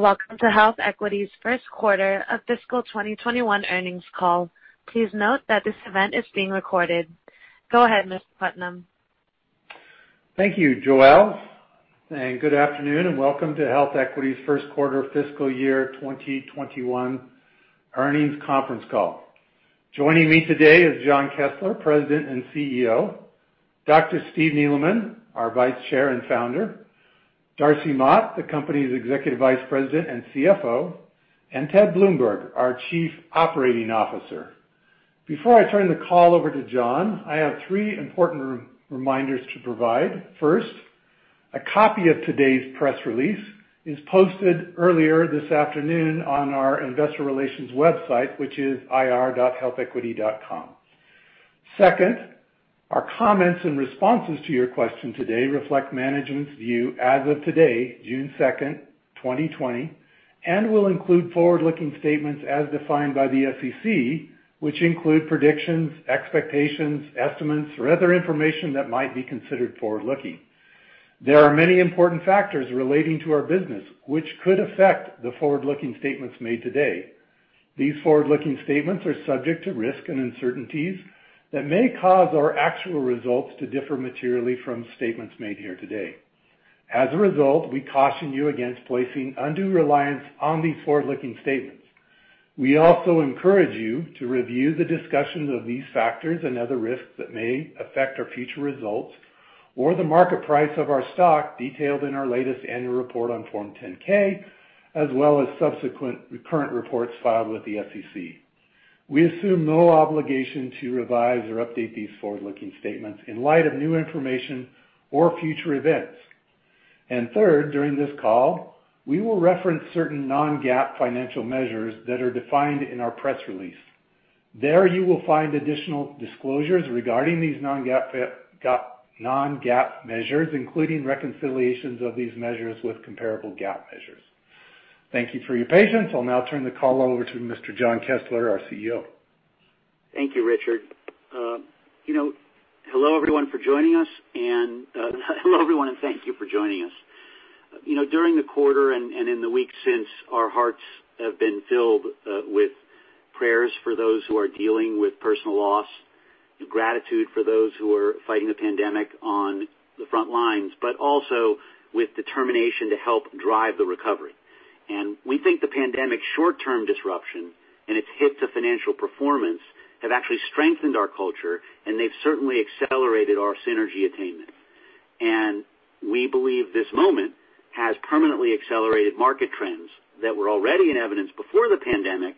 Welcome to HealthEquity's first quarter of fiscal 2021 earnings call. Please note that this event is being recorded. Go ahead, Mr. Putnam. Thank you, Joelle. Good afternoon, and welcome to HealthEquity's first quarter fiscal year 2021 earnings conference call. Joining me today is Jon Kessler, President and CEO. Dr. Steve Neeleman, our Vice Chair and Founder. Darcy Mott, the company's Executive Vice President and CFO, and Ted Bloomberg, our Chief Operating Officer. Before I turn the call over to Jon, I have three important reminders to provide. First, a copy of today's press release is posted earlier this afternoon on our investor relations website, which is ir.healthequity.com. Second, our comments and responses to your question today reflect management's view as of today, June 2nd, 2020, and will include forward-looking statements as defined by the SEC, which include predictions, expectations, estimates, or other information that might be considered forward-looking. There are many important factors relating to our business which could affect the forward-looking statements made today. These forward-looking statements are subject to risk and uncertainties that may cause our actual results to differ materially from statements made here today. As a result, we caution you against placing undue reliance on these forward-looking statements. We also encourage you to review the discussions of these factors and other risks that may affect our future results or the market price of our stock detailed in our latest annual report on Form 10-K, as well as subsequent recurrent reports filed with the SEC. We assume no obligation to revise or update these forward-looking statements in light of new information or future events. Third, during this call, we will reference certain non-GAAP financial measures that are defined in our press release. There, you will find additional disclosures regarding these non-GAAP measures, including reconciliations of these measures with comparable GAAP measures. Thank you for your patience. I'll now turn the call over to Mr. Jon Kessler, our CEO. Thank you, Richard. Hello, everyone, and thank you for joining us. During the quarter and in the weeks since, our hearts have been filled with prayers for those who are dealing with personal loss, gratitude for those who are fighting the pandemic on the front lines, but also with determination to help drive the recovery. We think the pandemic's short-term disruption and its hit to financial performance have actually strengthened our culture, and they've certainly accelerated our synergy attainment. We believe this moment has permanently accelerated market trends that were already in evidence before the pandemic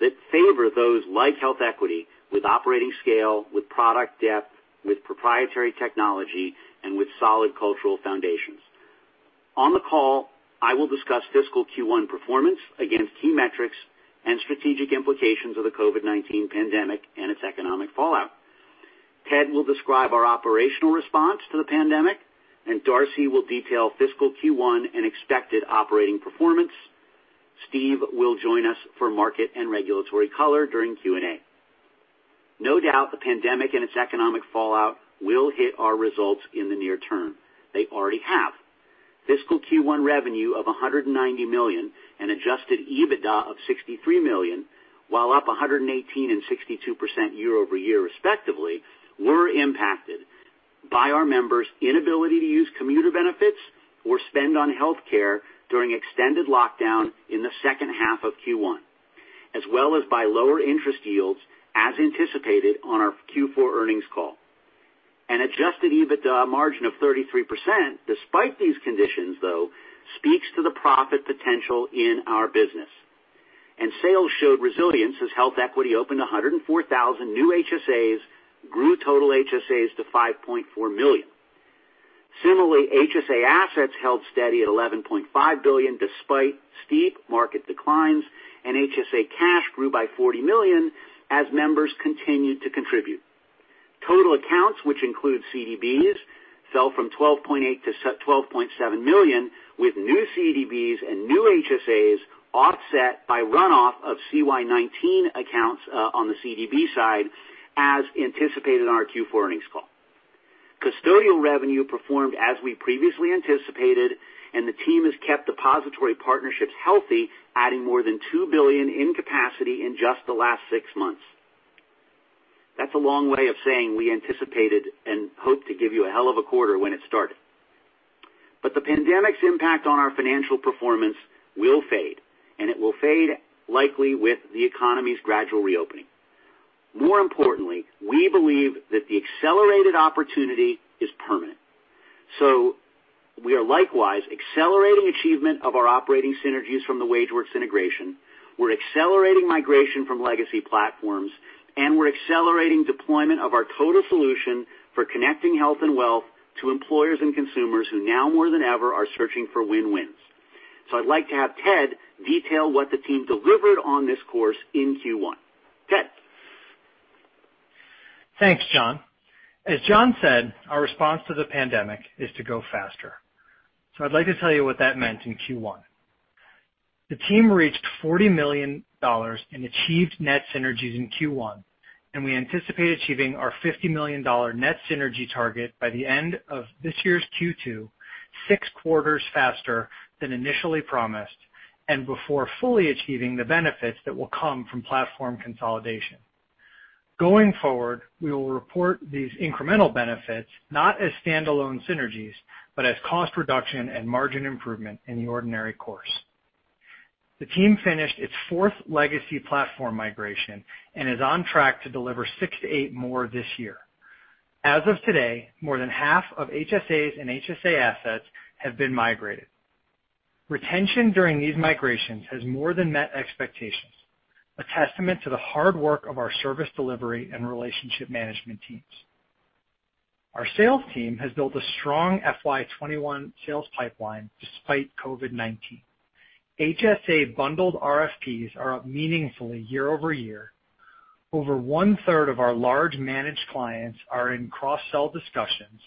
that favor those like HealthEquity with operating scale, with product depth, with proprietary technology, and with solid cultural foundations. On the call, I will discuss fiscal Q1 performance against key metrics and strategic implications of the COVID-19 pandemic and its economic fallout. Ted will describe our operational response to the pandemic, and Darcy will detail fiscal Q1 and expected operating performance. Steve will join us for market and regulatory color during Q&A. No doubt, the pandemic and its economic fallout will hit our results in the near term. They already have. Fiscal Q1 revenue of $190 million and adjusted EBITDA of $63 million, while up 118% and 62% year-over-year respectively, were impacted by our members' inability to use commuter benefits or spend on healthcare during extended lockdown in the second half of Q1, as well as by lower interest yields as anticipated on our Q4 earnings call. An adjusted EBITDA margin of 33%, despite these conditions though, speaks to the profit potential in our business. Sales showed resilience as HealthEquity opened 104,000 new HSAs, grew total HSAs to 5.4 million. Similarly, HSA assets held steady at $11.5 billion despite steep market declines, and HSA cash grew by $40 million as members continued to contribute. Total accounts, which include CDBs, fell from 12.8 million to 12.7 million with new CDBs and new HSAs offset by runoff of CY 2019 accounts on the CDB side as anticipated on our Q4 earnings call. Custodial revenue performed as we previously anticipated and the team has kept depository partnerships healthy, adding more than $2 billion in capacity in just the last six months. That's a long way of saying we anticipated and hoped to give you a hell of a quarter when it started. The pandemic's impact on our financial performance will fade, and it will fade likely with the economy's gradual reopening. More importantly, we believe that the accelerated opportunity is permanent. We are likewise accelerating achievement of our operating synergies from the WageWorks integration. We're accelerating migration from legacy platforms, and we're accelerating deployment of our total solution for connecting health and wealth to employers and consumers who now more than ever are searching for win-wins. I'd like to have Ted detail what the team delivered on this course in Q1. Ted? Thanks, Jon. As Jon said, our response to the pandemic is to go faster. I'd like to tell you what that meant in Q1. The team reached $40 million in achieved net synergies in Q1, and we anticipate achieving our $50 million net synergy target by the end of this year's Q2, six quarters faster than initially promised, and before fully achieving the benefits that will come from platform consolidation. Going forward, we will report these incremental benefits not as standalone synergies, but as cost reduction and margin improvement in the ordinary course. The team finished its fourth legacy platform migration and is on track to deliver six to eight more this year. As of today, more than half of HSAs and HSA assets have been migrated. Retention during these migrations has more than met expectations, a testament to the hard work of our service delivery and relationship management teams. Our sales team has built a strong FY 2021 sales pipeline despite COVID-19. HSA bundled RFPs are up meaningfully year-over-year. Over one-third of our large managed clients are in cross-sell discussions,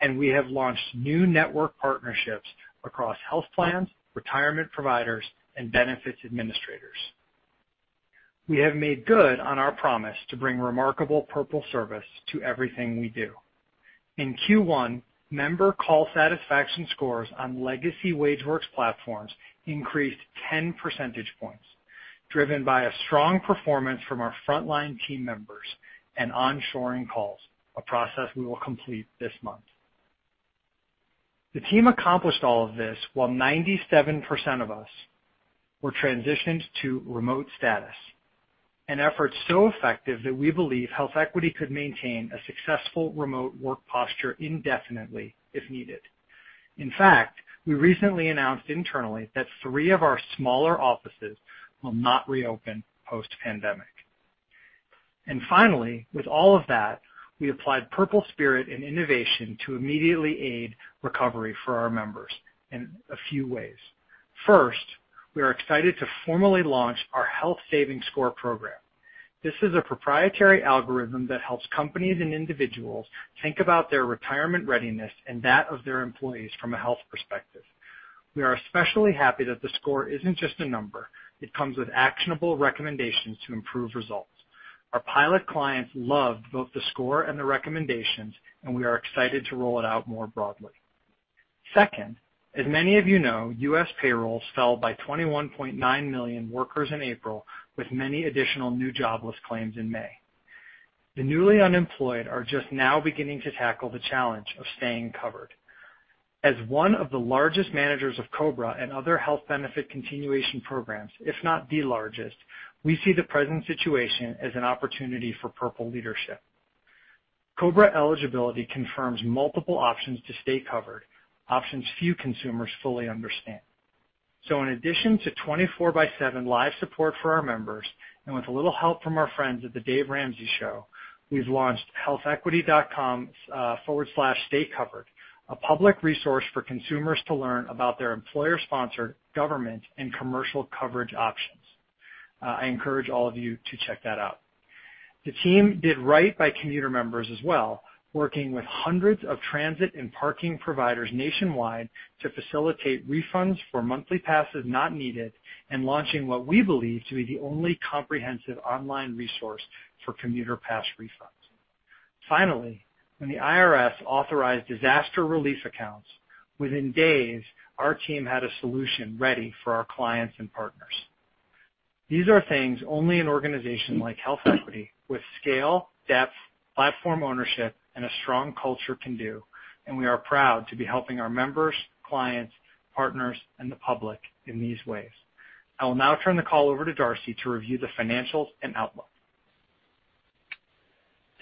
and we have launched new network partnerships across health plans, retirement providers, and benefits administrators. We have made good on our promise to bring remarkable Purple service to everything we do. In Q1, member call satisfaction scores on legacy WageWorks platforms increased 10 percentage points, driven by a strong performance from our frontline team members and onshoring calls, a process we will complete this month. The team accomplished all of this while 97% of us were transitioned to remote status, an effort so effective that we believe HealthEquity could maintain a successful remote work posture indefinitely if needed. In fact, we recently announced internally that three of our smaller offices will not reopen post-pandemic. Finally, with all of that, we applied Purple spirit and innovation to immediately aid recovery for our members in a few ways. First, we are excited to formally launch our Health Savings Score program. This is a proprietary algorithm that helps companies and individuals think about their retirement readiness and that of their employees from a health perspective. We are especially happy that the score isn't just a number. It comes with actionable recommendations to improve results. Our pilot clients loved both the score and the recommendations, and we are excited to roll it out more broadly. Second, as many of you know, U.S. payrolls fell by 21.9 million workers in April, with many additional new jobless claims in May. The newly unemployed are just now beginning to tackle the challenge of staying covered. As one of the largest managers of COBRA and other health benefit continuation programs, if not the largest, we see the present situation as an opportunity for Purple leadership. COBRA eligibility confirms multiple options to stay covered, options few consumers fully understand. In addition to 24 by seven live support for our members, and with a little help from our friends at The Ramsey Show, we've launched healthequity.com/staycovered, a public resource for consumers to learn about their employer-sponsored government and commercial coverage options. I encourage all of you to check that out. The team did right by commuter members as well, working with hundreds of transit and parking providers nationwide to facilitate refunds for monthly passes not needed, and launching what we believe to be the only comprehensive online resource for commuter pass refunds. Finally, when the IRS authorized disaster relief accounts, within days, our team had a solution ready for our clients and partners. These are things only an organization like HealthEquity with scale, depth, platform ownership, and a strong culture can do. We are proud to be helping our members, clients, partners, and the public in these ways. I will now turn the call over to Darcy to review the financials and outlook.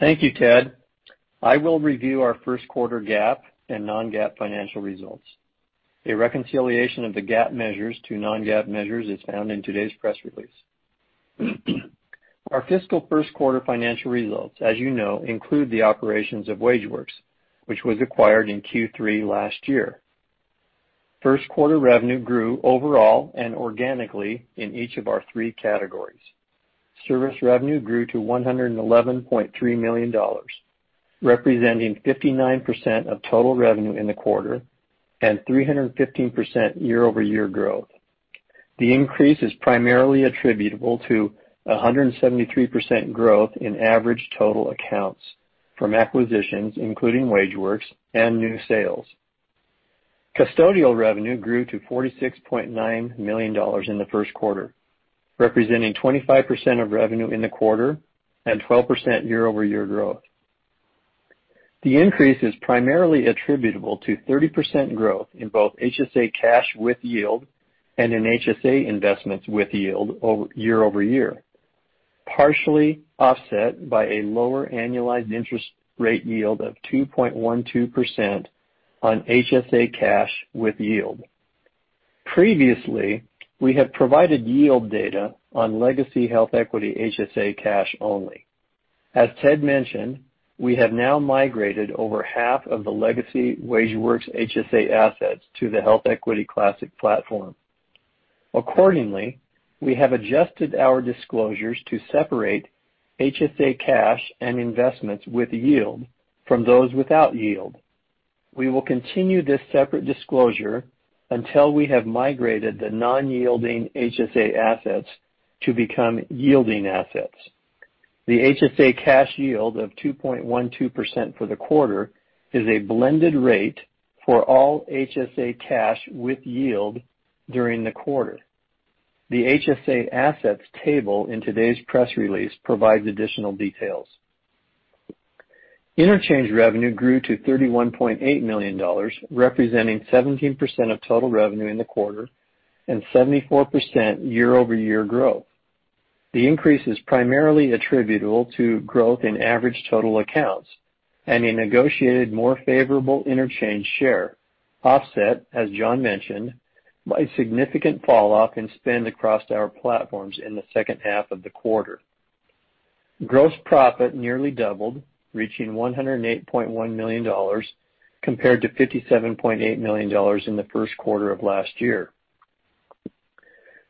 Thank you, Ted. I will review our first quarter GAAP and non-GAAP financial results. A reconciliation of the GAAP measures to non-GAAP measures is found in today's press release. Our fiscal first quarter financial results, as you know, include the operations of WageWorks, which was acquired in Q3 last year. First quarter revenue grew overall and organically in each of our three categories. Service revenue grew to $111.3 million, representing 59% of total revenue in the quarter and 315% year-over-year growth. The increase is primarily attributable to 173% growth in average total accounts from acquisitions, including WageWorks and new sales. Custodial revenue grew to $46.9 million in the first quarter, representing 25% of revenue in the quarter and 12% year-over-year growth. The increase is primarily attributable to 30% growth in both HSA cash with yield and in HSA investments with yield year-over-year, partially offset by a lower annualized interest rate yield of 2.12% on HSA cash with yield. Previously, we have provided yield data on legacy HealthEquity HSA cash only. As Ted mentioned, we have now migrated over half of the legacy WageWorks HSA assets to the HealthEquity classic platform. Accordingly, we have adjusted our disclosures to separate HSA cash and investments with yield from those without yield. We will continue this separate disclosure until we have migrated the non-yielding HSA assets to become yielding assets. The HSA cash yield of 2.12% for the quarter is a blended rate for all HSA cash with yield during the quarter. The HSA assets table in today's press release provides additional details. Interchange revenue grew to $31.8 million, representing 17% of total revenue in the quarter and 74% year-over-year growth. The increase is primarily attributable to growth in average total accounts and a negotiated more favorable interchange share, offset, as Jon mentioned, by significant fall off in spend across our platforms in the second half of the quarter. Gross profit nearly doubled, reaching $108.1 million compared to $57.8 million in the first quarter of last year.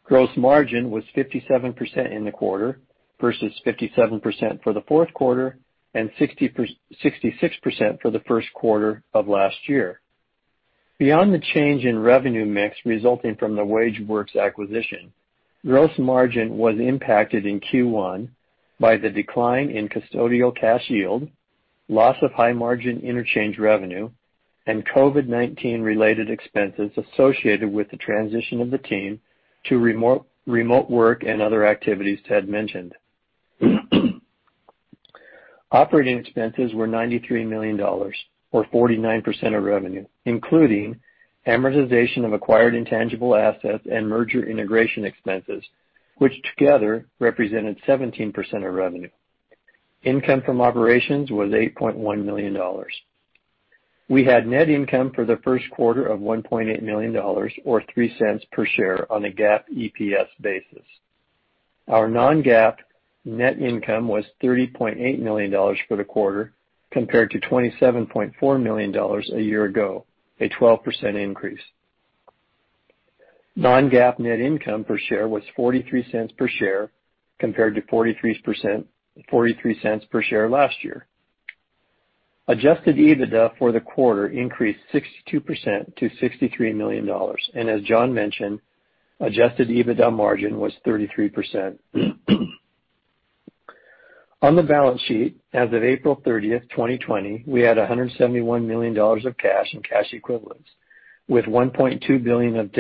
Gross margin was 57% in the quarter versus 57% for the fourth quarter and 66% for the first quarter of last year. Beyond the change in revenue mix resulting from the WageWorks acquisition, gross margin was impacted in Q1 by the decline in custodial cash yield, loss of high margin interchange revenue, and COVID-19 related expenses associated with the transition of the team to remote work and other activities Ted mentioned. Operating expenses were $93 million, or 49% of revenue, including amortization of acquired intangible assets and merger integration expenses, which together represented 17% of revenue. Income from operations was $8.1 million. We had net income for the first quarter of $1.8 million, or $0.03 per share on a GAAP EPS basis. Our non-GAAP net income was $30.8 million for the quarter, compared to $27.4 million a year ago, a 12% increase. Non-GAAP net income per share was $0.43 per share compared to $0.43 per share last year. Adjusted EBITDA for the quarter increased 62% to $63 million. As Jon mentioned, adjusted EBITDA margin was 33%. On the balance sheet, as of April 30, 2020, we had $171 million of cash and cash equivalents with $1.2 billion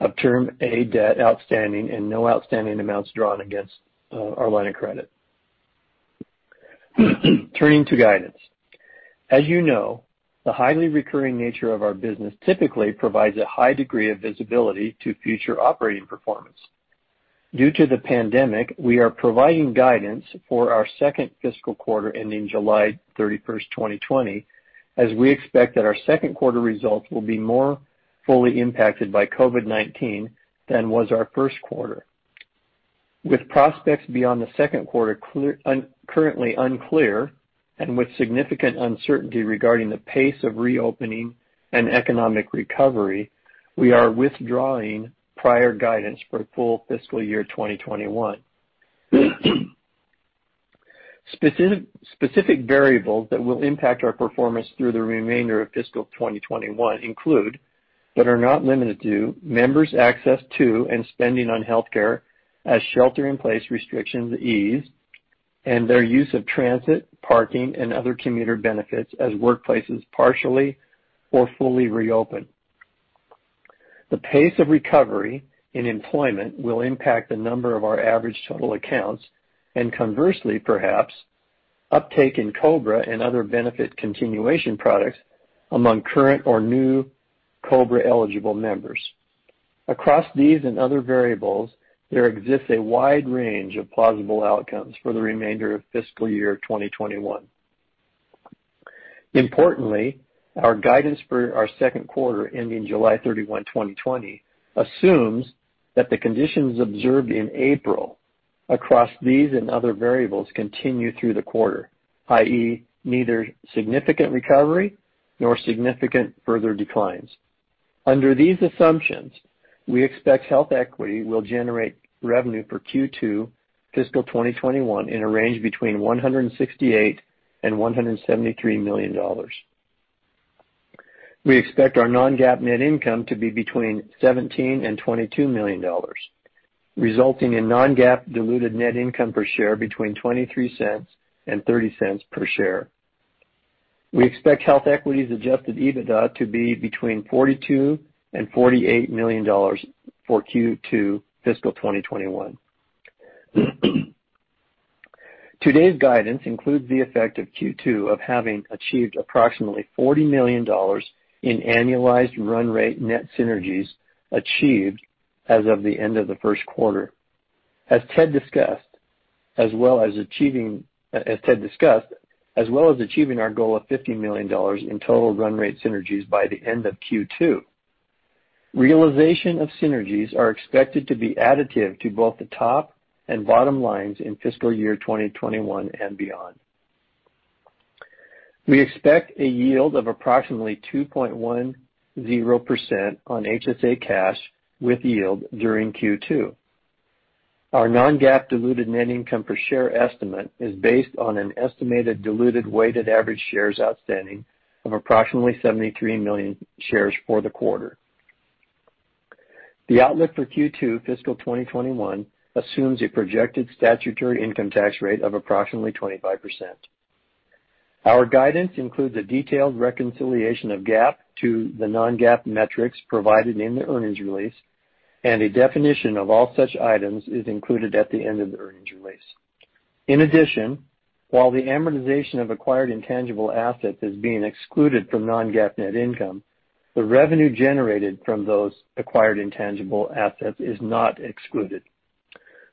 of term A debt outstanding and no outstanding amounts drawn against our line of credit. Turning to guidance. As you know, the highly recurring nature of our business typically provides a high degree of visibility to future operating performance. Due to the pandemic, we are providing guidance for our second fiscal quarter ending July 31, 2020, as we expect that our second quarter results will be more fully impacted by COVID-19 than was our first quarter. With prospects beyond the second quarter currently unclear, and with significant uncertainty regarding the pace of reopening and economic recovery, we are withdrawing prior guidance for full fiscal year 2021. Specific variables that will impact our performance through the remainder of fiscal 2021 include, but are not limited to, members' access to and spending on healthcare as shelter in place restrictions ease, and their use of transit, parking, and other commuter benefits as workplaces partially or fully reopen. The pace of recovery in employment will impact the number of our average total accounts, and conversely perhaps, uptake in COBRA and other benefit continuation products among current or new COBRA eligible members. Across these and other variables, there exists a wide range of plausible outcomes for the remainder of fiscal year 2021. Importantly, our guidance for our second quarter ending July 31, 2020, assumes that the conditions observed in April across these and other variables continue through the quarter, i.e., neither significant recovery nor significant further declines. Under these assumptions, we expect HealthEquity will generate revenue for Q2 FY 2021 in a range between $168 million and $173 million. We expect our non-GAAP net income to be between $17 million and $22 million, resulting in non-GAAP diluted net income per share between $0.23 and $0.30 per share. We expect HealthEquity's adjusted EBITDA to be between $42 million and $48 million for Q2 FY 2021. Today's guidance includes the effect of Q2 of having achieved approximately $40 million in annualized run rate net synergies achieved as of the end of the first quarter. As Ted discussed, as well as achieving our goal of $50 million in total run rate synergies by the end of Q2. Realization of synergies are expected to be additive to both the top and bottom lines in FY 2021 and beyond. We expect a yield of approximately 2.10% on HSA cash with yield during Q2. Our non-GAAP diluted net income per share estimate is based on an estimated diluted weighted average shares outstanding of approximately 73 million shares for the quarter. The outlook for Q2 FY 2021 assumes a projected statutory income tax rate of approximately 25%. Our guidance includes a detailed reconciliation of GAAP to the non-GAAP metrics provided in the earnings release, and a definition of all such items is included at the end of the earnings release. In addition, while the amortization of acquired intangible assets is being excluded from non-GAAP net income, the revenue generated from those acquired intangible assets is not excluded.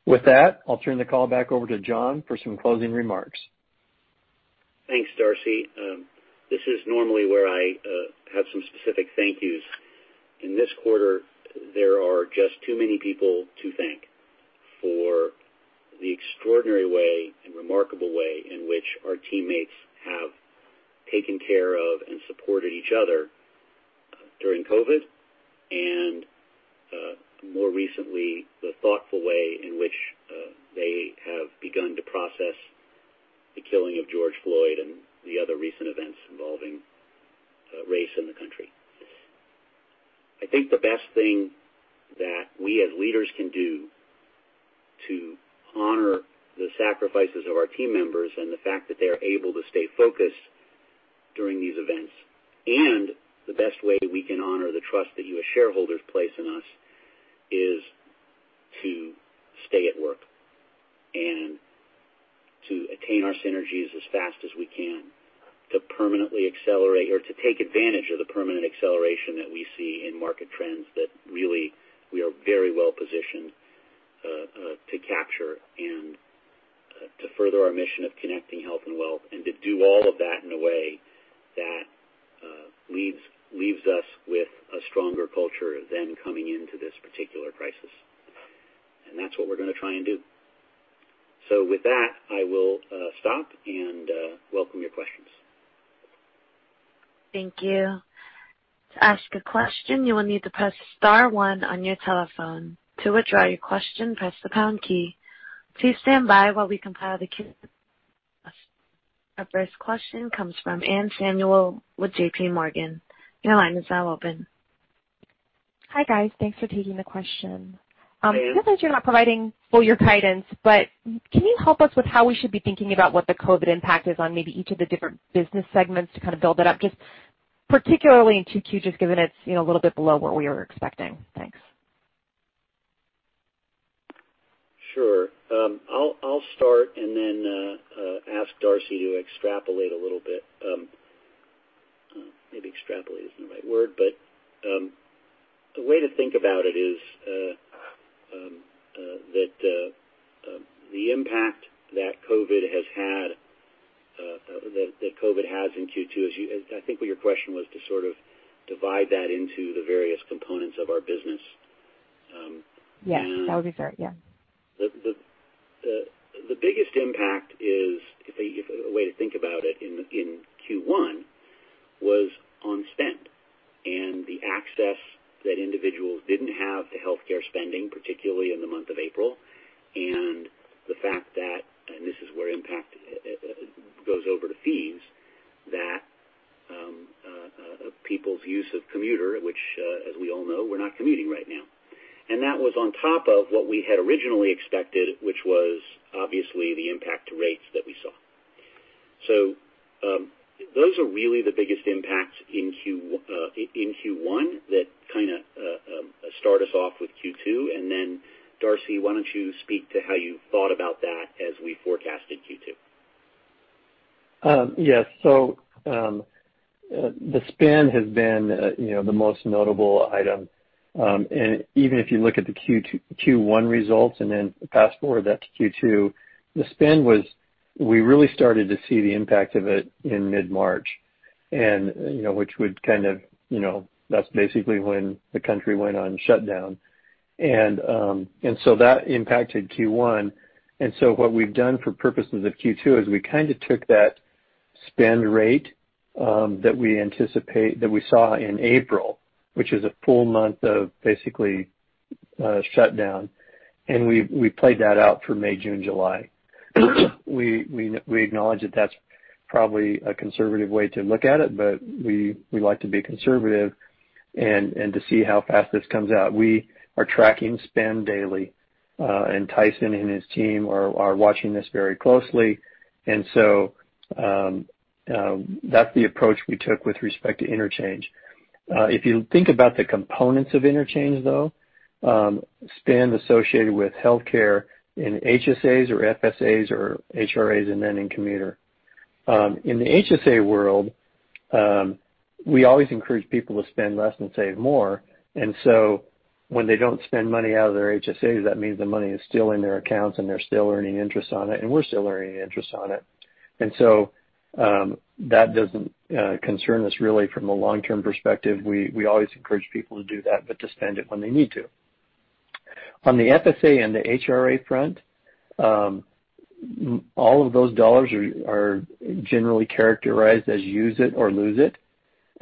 With that, I'll turn the call back over to Jon for some closing remarks. Thanks, Darcy. This is normally where I have some specific thank yous. In this quarter, there are just too many people to thank for the extraordinary way and remarkable way in which our teammates have taken care of and supported each other during COVID, and more recently, the thoughtful way in which they have begun to process the killing of George Floyd and the other recent events involving race in the country. I think the best thing that we, as leaders, can do to honor the sacrifices of our team members and the fact that they are able to stay focused during these events, and the best way we can honor the trust that you as shareholders place in us, is to stay at work and to attain our synergies as fast as we can to permanently accelerate or to take advantage of the permanent acceleration that we see in market trends that really we are very well positioned to capture and to further our mission of connecting health and wealth, and to do all of that in a way that leaves us with a stronger culture than coming into this particular crisis. That's what we're going to try and do. With that, I will stop and welcome your questions. Thank you. To ask a question, you will need to press star one on your telephone. To withdraw your question, press the pound key. Please stand by while we compile the queue. Our first question comes from Anne Samuel with JPMorgan. Your line is now open. Hi, guys. Thanks for taking the question. Hey. It sounds like you're not providing full year guidance, can you help us with how we should be thinking about what the COVID impact is on maybe each of the different business segments to kind of build that up, just particularly in Q2, just given it's a little bit below what we were expecting. Thanks. Sure. I'll start and then ask Darcy to extrapolate a little bit. Maybe extrapolate isn't the right word, but the way to think about it is that the impact that COVID has in Q2 is, I think what your question was to sort of divide that into the various components of our business. Yes, that would be fair. Yeah. The biggest impact is, a way to think about it in Q1 was on spend and the access that individuals didn't have to healthcare spending, particularly in the month of April, and the fact that, and this is where impact goes over to fees, that people's use of commuter, which, as we all know, we're not commuting right now. That was on top of what we had originally expected, which was obviously the impact to rates that we saw. Those are really the biggest impacts in Q1 that kind of start us off with Q2, and then Darcy, why don't you speak to how you thought about that as we forecasted Q2? Yes. The spend has been the most notable item. Even if you look at the Q1 results and then fast-forward that to Q2, we really started to see the impact of it in mid-March, and that's basically when the country went on shutdown. That impacted Q1. What we've done for purposes of Q2 is we kind of took that spend rate that we saw in April, which is a full month of basically shutdown, and we played that out for May, June, July. We acknowledge that that's probably a conservative way to look at it, but we like to be conservative and to see how fast this comes out. We are tracking spend daily, and Tyson and his team are watching this very closely. That's the approach we took with respect to interchange. If you think about the components of interchange, though, spend associated with healthcare in HSAs or FSAs or HRAs and then in commuter. In the HSA world, we always encourage people to spend less and save more. When they don't spend money out of their HSAs, that means the money is still in their accounts and they're still earning interest on it, and we're still earning interest on it. That doesn't concern us really from a long-term perspective. We always encourage people to do that, but to spend it when they need to. On the FSA and the HRA front, all of those dollars are generally characterized as use it or lose it,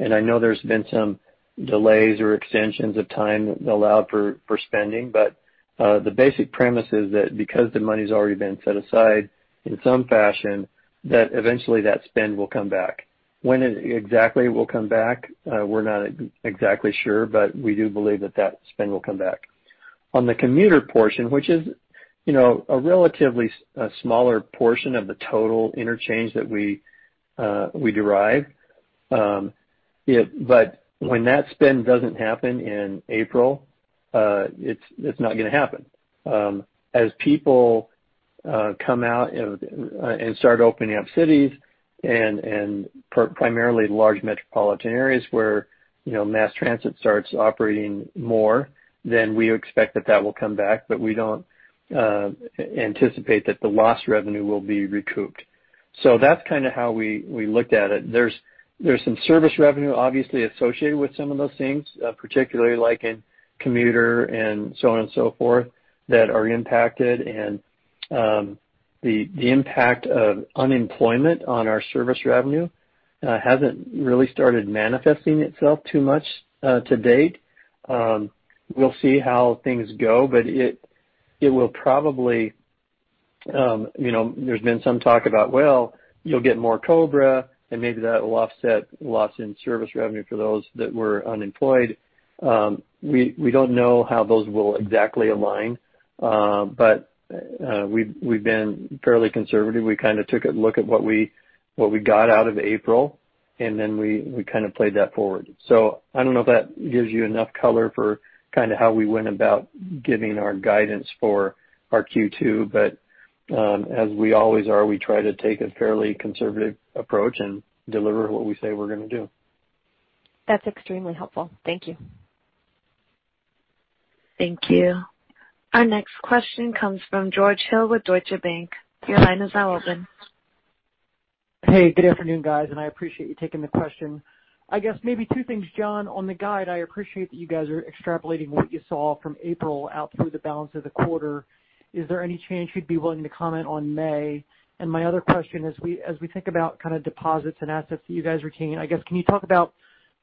and I know there's been some delays or extensions of time allowed for spending. The basic premise is that because the money's already been set aside in some fashion, that eventually that spend will come back. When exactly it will come back, we're not exactly sure, but we do believe that spend will come back. On the commuter portion, which is a relatively smaller portion of the total interchange that we derive, when that spend doesn't happen in April, it's not going to happen. As people come out and start opening up cities, and primarily large metropolitan areas where mass transit starts operating more, then we expect that will come back, but we don't anticipate that the lost revenue will be recouped. That's kind of how we looked at it. There's some service revenue obviously associated with some of those things, particularly like in commuter and so on and so forth, that are impacted. The impact of unemployment on our service revenue hasn't really started manifesting itself too much to date. We'll see how things go, but it will probably. There's been some talk about, well, you'll get more COBRA, and maybe that will offset loss in service revenue for those that were unemployed. We don't know how those will exactly align. We've been fairly conservative. We kind of took a look at what we got out of April, and then we kind of played that forward. I don't know if that gives you enough color for kind of how we went about giving our guidance for our Q2. As we always are, we try to take a fairly conservative approach and deliver what we say we're going to do. That's extremely helpful. Thank you. Thank you. Our next question comes from George Hill with Deutsche Bank. Your line is now open. Hey, good afternoon, guys. I appreciate you taking the question. I guess maybe two things, Jon. On the guide, I appreciate that you guys are extrapolating what you saw from April out through the balance of the quarter. Is there any chance you'd be willing to comment on May? My other question, as we think about kind of deposits and assets that you guys retain, I guess, can you talk about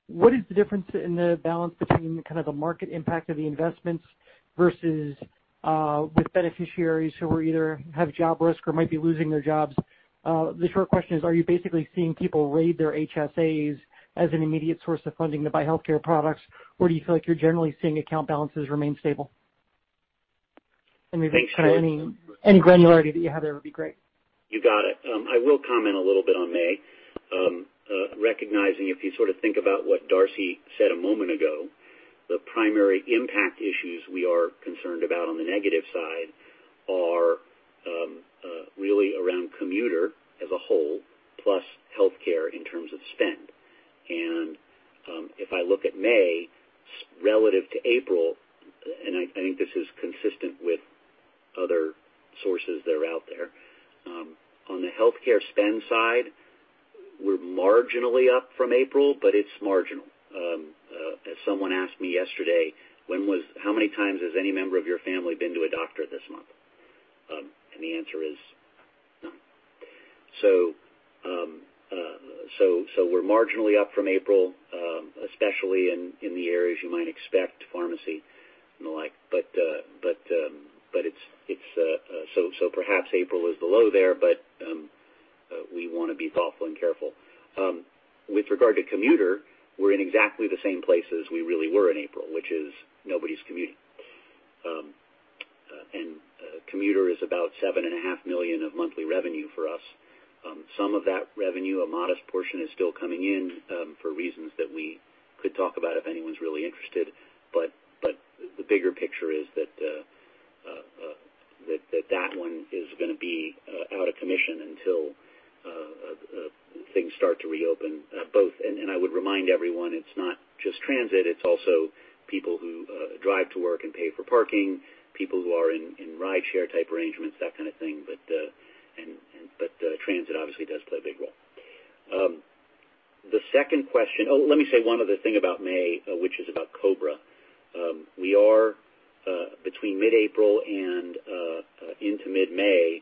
what is the difference in the balance between kind of the market impact of the investments versus with beneficiaries who either have job risk or might be losing their jobs? The short question is, are you basically seeing people raid their HSAs as an immediate source of funding to buy healthcare products, or do you feel like you're generally seeing account balances remain stable? Maybe kind of any granularity that you have there would be great. You got it. I will comment a little bit on May. Recognizing if you sort of think about what Darcy said a moment ago, the primary impact issues we are concerned about on the negative side are really around commuter as a whole, plus healthcare in terms of spend. If I look at May relative to April, and I think this is consistent with other sources that are out there, on the healthcare spend side, we're marginally up from April, but it's marginal. As someone asked me yesterday, "How many times has any member of your family been to a doctor this month?" The answer is none. We're marginally up from April, especially in the areas you might expect, pharmacy and the like. Perhaps April is the low there, but we want to be thoughtful and careful. With regard to commuter, we're in exactly the same place as we really were in April, which is nobody's commuting. Commuter is about seven and a half million dollars of monthly revenue for us. Some of that revenue, a modest portion, is still coming in for reasons that we could talk about if anyone's really interested. The bigger picture is that that one is going to be out of commission until things start to reopen. I would remind everyone, it's not just transit, it's also people who drive to work and pay for parking, people who are in rideshare type arrangements, that kind of thing. Transit obviously does play a big role. The second question-- oh, let me say one other thing about May, which is about COBRA. We are between mid-April and into mid-May,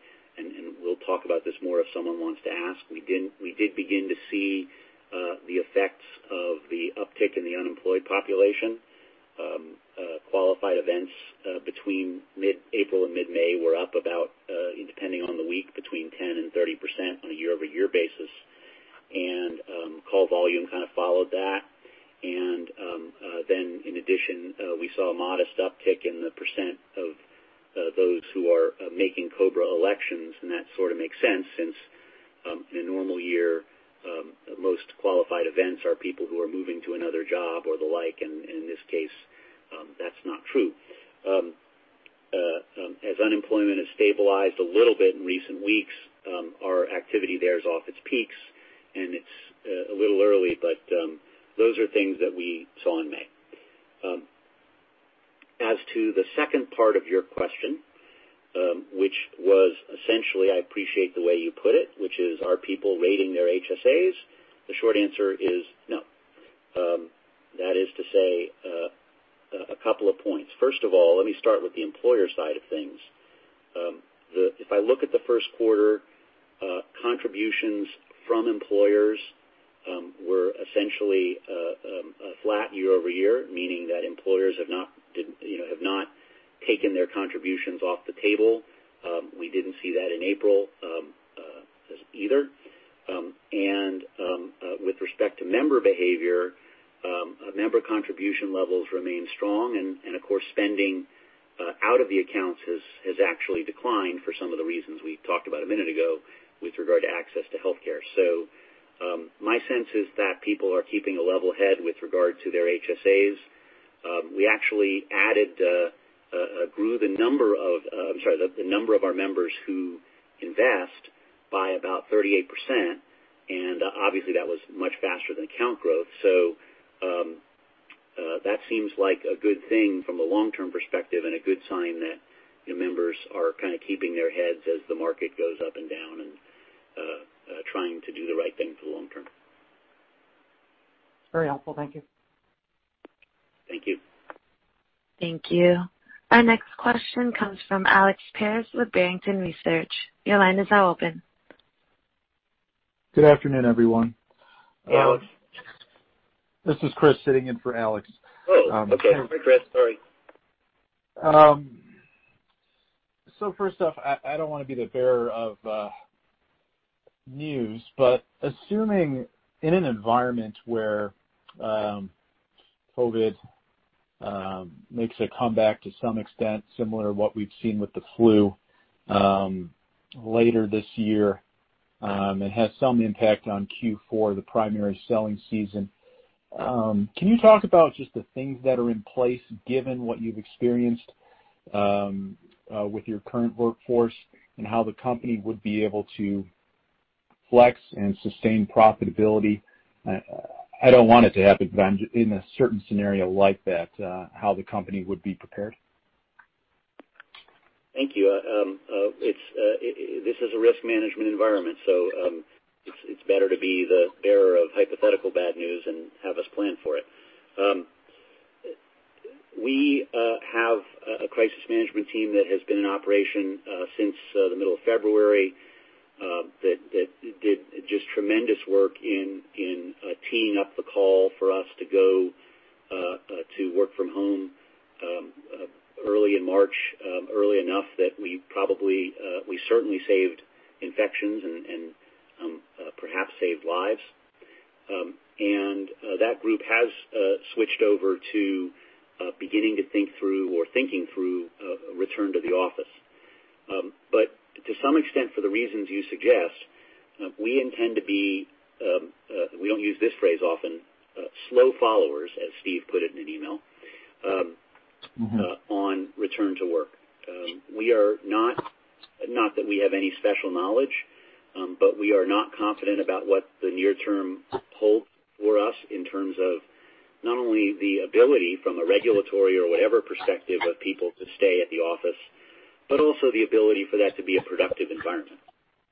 we'll talk about this more if someone wants to ask. We did begin to see the effects of the uptick in the unemployed population. Qualified events between mid-April and mid-May were up about, depending on the week, between 10% and 30% on a year-over-year basis. Call volume kind of followed that. In addition, we saw a modest uptick in the percent of those who are making COBRA elections, and that sort of makes sense since in a normal year, most qualified events are people who are moving to another job or the like. In this case, that's not true. As unemployment has stabilized a little bit in recent weeks, our activity there is off its peaks, and it's a little early, those are things that we saw in May. As to the second part of your question, which was essentially, I appreciate the way you put it, which is, are people raiding their HSAs? The short answer is no. That is to say, a couple of points. First of all, let me start with the employer side of things. If I look at the first quarter, contributions from employers were essentially flat year-over-year, meaning that employers have not taken their contributions off the table. We didn't see that in April either. With respect to member behavior, member contribution levels remain strong and, of course, spending out of the accounts has actually declined for some of the reasons we talked about a minute ago with regard to access to healthcare. My sense is that people are keeping a level head with regard to their HSAs. We actually grew the number of our members who invest by about 38%, obviously, that was much faster than account growth. That seems like a good thing from a long-term perspective and a good sign that the members are kind of keeping their heads as the market goes up and down and trying to do the right thing for the long term. Very helpful. Thank you. Thank you. Thank you. Our next question comes from Alex Paris with Barrington Research. Your line is now open. Good afternoon, everyone. Hey, Alex. This is Chris sitting in for Alex. Oh, okay. Hi, Chris. Sorry. First off, I don't want to be the bearer of news, but assuming in an environment where COVID makes a comeback to some extent, similar to what we've seen with the flu later this year, it has some impact on Q4, the primary selling season. Can you talk about just the things that are in place, given what you've experienced with your current workforce and how the company would be able to flex and sustain profitability? I don't want it to happen, but in a certain scenario like that, how the company would be prepared? Thank you. This is a risk management environment, so it's better to be the bearer of hypothetical bad news and have us plan for it. We have a crisis management team that has been in operation since the middle of February, that did just tremendous work in teeing up the call for us to go to work from home early in March, early enough that we certainly saved infections and perhaps saved lives. That group has switched over to beginning to think through or thinking through a return to the office. To some extent, for the reasons you suggest, we intend to be, we don't use this phrase often, slow followers, as Steve put it in an email, on return to work. Not that we have any special knowledge, we are not confident about what the near term holds for us in terms of not only the ability from a regulatory or whatever perspective of people to stay at the office, also the ability for that to be a productive environment.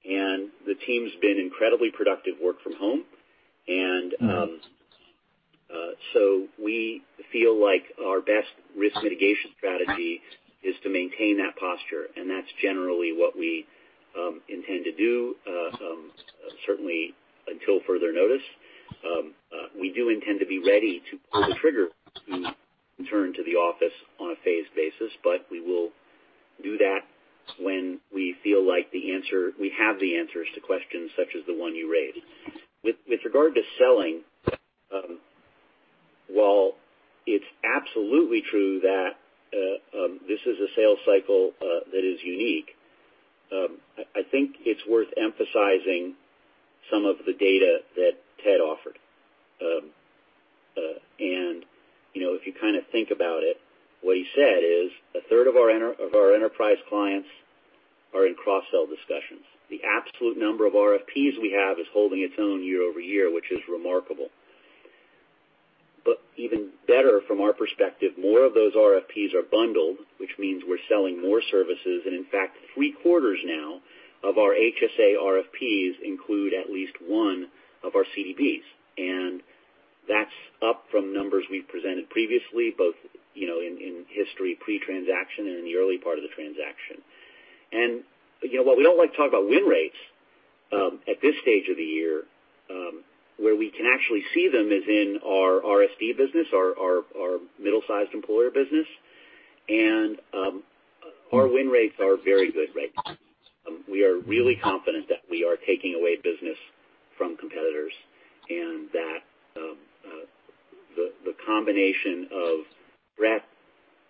The team's been incredibly productive work from home, we feel like our best risk mitigation strategy is to maintain that posture, and that's generally what we intend to do, certainly until further notice. We do intend to be ready to pull the trigger to return to the office on a phased basis, but we will do that when we feel like we have the answers to questions such as the one you raised. With regard to selling, while it's absolutely true that this is a sales cycle that is unique, I think it's worth emphasizing some of the data that Ted offered. If you kind of think about it, what he said is a third of our enterprise clients are in cross-sell discussions. The absolute number of RFPs we have is holding its own year-over-year, which is remarkable. Even better from our perspective, more of those RFPs are bundled, which means we're selling more services, and in fact, three-quarters now of our HSA RFPs include at least one of our CDBs, and that's up from numbers we've presented previously, both in history pre-transaction and in the early part of the transaction. While we don't like to talk about win rates, at this stage of the year, where we can actually see them is in our RSD business, our middle-sized employer business, and our win rates are very good right now. We are really confident that we are taking away business from competitors and that the combination of breadth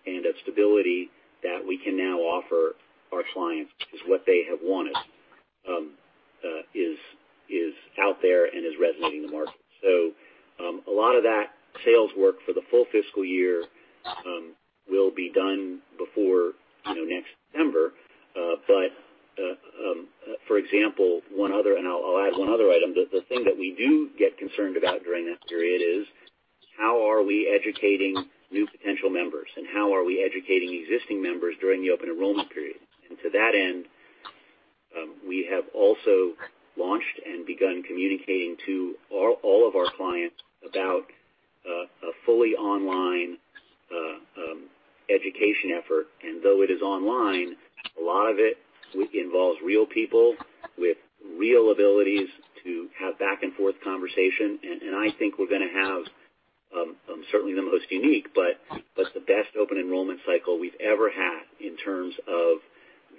and of stability that we can now offer our clients is what they have wanted, is out there and is resonating in the market. A lot of that sales work for the full fiscal year will be done before next September. For example, and I'll add one other item. The thing that we do get concerned about during that period is how are we educating new potential members, and how are we educating existing members during the open enrollment period? To that end We have also launched and begun communicating to all of our clients about a fully online education effort. Though it is online, a lot of it involves real people with real abilities to have back-and-forth conversation. I think we're going to have certainly the most unique, but the best open enrollment cycle we've ever had in terms of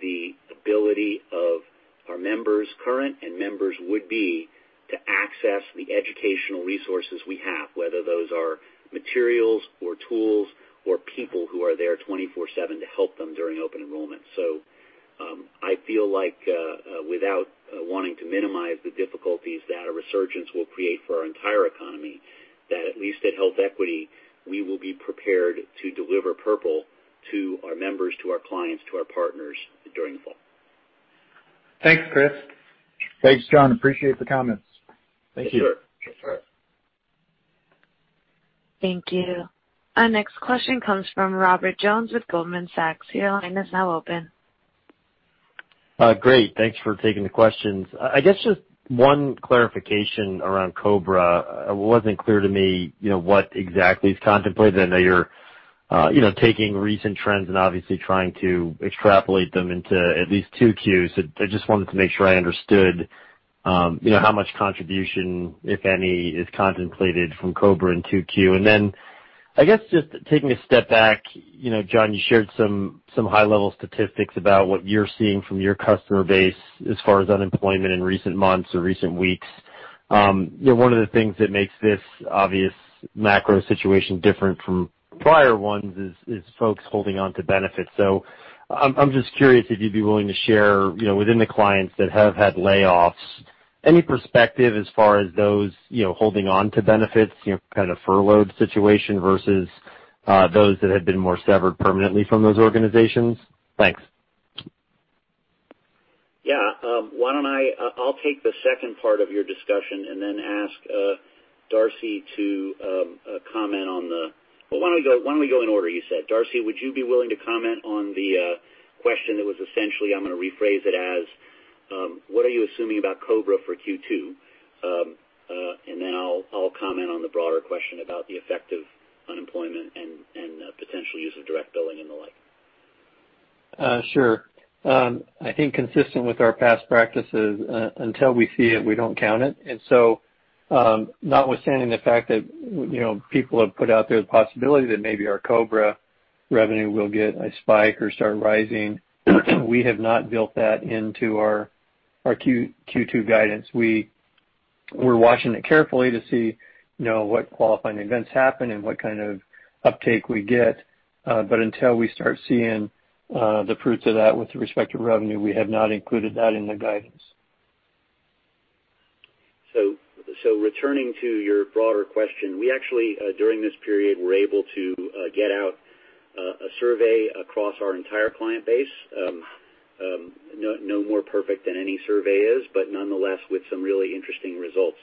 the ability of our members, current and members would-be, to access the educational resources we have, whether those are materials or tools or people who are there twenty-four/seven to help them during open enrollment. I feel like without wanting to minimize the difficulties that a resurgence will create for our entire economy, that at least at HealthEquity, we will be prepared to deliver purple to our members, to our clients, to our partners during the fall. Thanks, Chris. Thanks, Jon. Appreciate the comments. Sure. Thank you. Thank you. Our next question comes from Robert Jones with Goldman Sachs. Your line is now open. Great. Thanks for taking the questions. I guess just one clarification around COBRA. It wasn't clear to me what exactly is contemplated. I know you're taking recent trends and obviously trying to extrapolate them into at least 2Qs. I just wanted to make sure I understood how much contribution, if any, is contemplated from COBRA in 2Q. I guess just taking a step back, Jon, you shared some high-level statistics about what you're seeing from your customer base as far as unemployment in recent months or recent weeks. One of the things that makes this obvious macro situation different from prior ones is folks holding on to benefits. I'm just curious if you'd be willing to share within the clients that have had layoffs, any perspective as far as those holding on to benefits, kind of furloughed situation versus those that have been more severed permanently from those organizations. Thanks. Yeah. I'll take the second part of your discussion and then ask Darcy to comment on the. Why don't we go in order you said. Darcy, would you be willing to comment on the question that was essentially, I'm going to rephrase it as, what are you assuming about COBRA for Q2? I'll comment on the broader question about the effect of unemployment and potential use of direct billing and the like. Sure. I think consistent with our past practices, until we see it, we don't count it. Notwithstanding the fact that people have put out there the possibility that maybe our COBRA revenue will get a spike or start rising, we have not built that into our Q2 guidance. We're watching it carefully to see what Qualifying Events happen and what kind of uptake we get. Until we start seeing the fruits of that with respect to revenue, we have not included that in the guidance. Returning to your broader question, we actually, during this period, were able to get out a survey across our entire client base. No more perfect than any survey is, but nonetheless, with some really interesting results.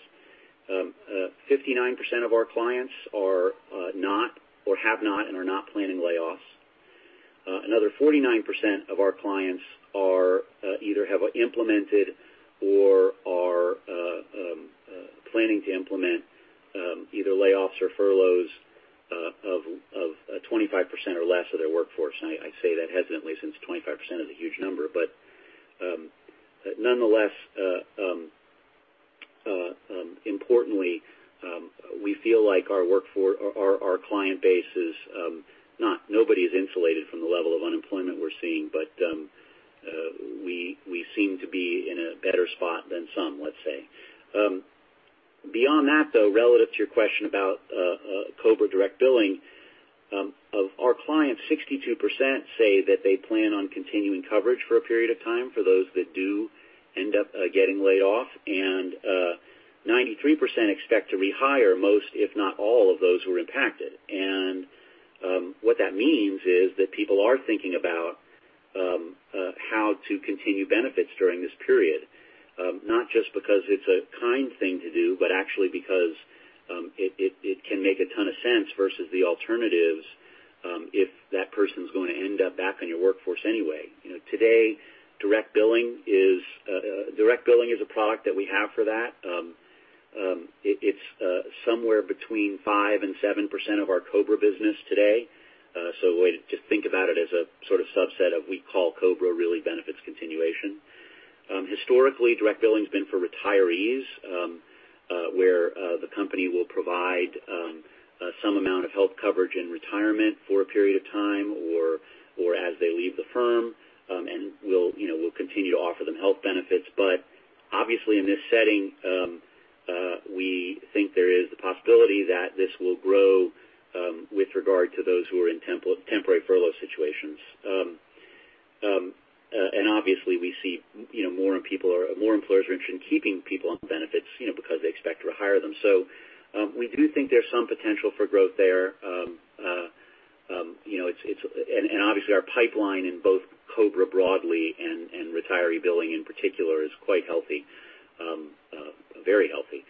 59% of our clients are not, or have not, and are not planning layoffs. Another 49% of our clients either have implemented or are planning to implement either layoffs or furloughs of 25% or less of their workforce. I say that hesitantly since 25% is a huge number. Nonetheless, importantly, we feel like our client base is, nobody is insulated from the level of unemployment we're seeing, but we seem to be in a better spot than some, let's say. Beyond that, though, relative to your question about COBRA direct billing, of our clients, 62% say that they plan on continuing coverage for a period of time for those that do end up getting laid off, and 93% expect to rehire most, if not all, of those who are impacted. What that means is that people are thinking about how to continue benefits during this period. Not just because it's a kind thing to do, but actually because it can make a ton of sense versus the alternatives if that person's going to end up back on your workforce anyway. Today, direct billing is a product that we have for that. It's somewhere between 5% and 7% of our COBRA business today. Just think about it as a sort of subset of we call COBRA, really benefits continuation. Historically, direct billing's been for retirees, where the company will provide some amount of health coverage and retirement for a period of time or as they leave the firm, and we'll continue to offer them health benefits. Obviously in this setting, we think there is the possibility that this will grow with regard to those who are in temporary furlough situations. Obviously we see more employers are interested in keeping people on benefits because they expect to rehire them. We do think there's some potential for growth there. Obviously our pipeline in both COBRA broadly and retiree billing in particular is quite healthy. Very healthy.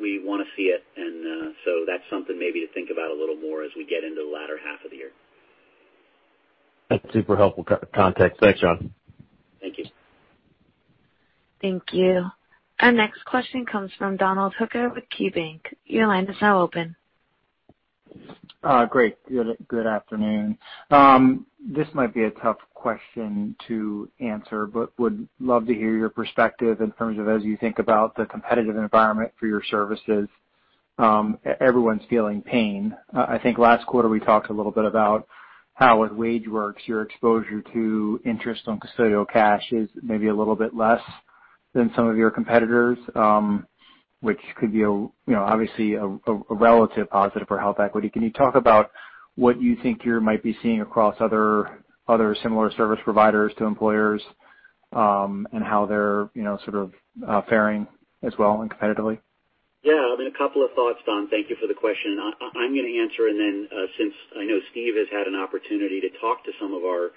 We want to see it, and that's something maybe to think about a little more as we get into the latter half of the year. That's super helpful context. Thanks, Jon. Thank you. Thank you. Our next question comes from Donald Hooker with KeyBank. Your line is now open. Great. Good afternoon. This might be a tough question to answer, but would love to hear your perspective in terms of as you think about the competitive environment for your services. Everyone's feeling pain. I think last quarter, we talked a little bit about how with WageWorks, your exposure to interest on custodial cash is maybe a little bit less than some of your competitors, which could be obviously a relative positive for HealthEquity. Can you talk about what you think you might be seeing across other similar service providers to employers, and how they're faring as well and competitively? Yeah. I mean, a couple of thoughts, Don. Thank you for the question. I'm going to answer, and then, since I know Steve has had an opportunity to talk to some of our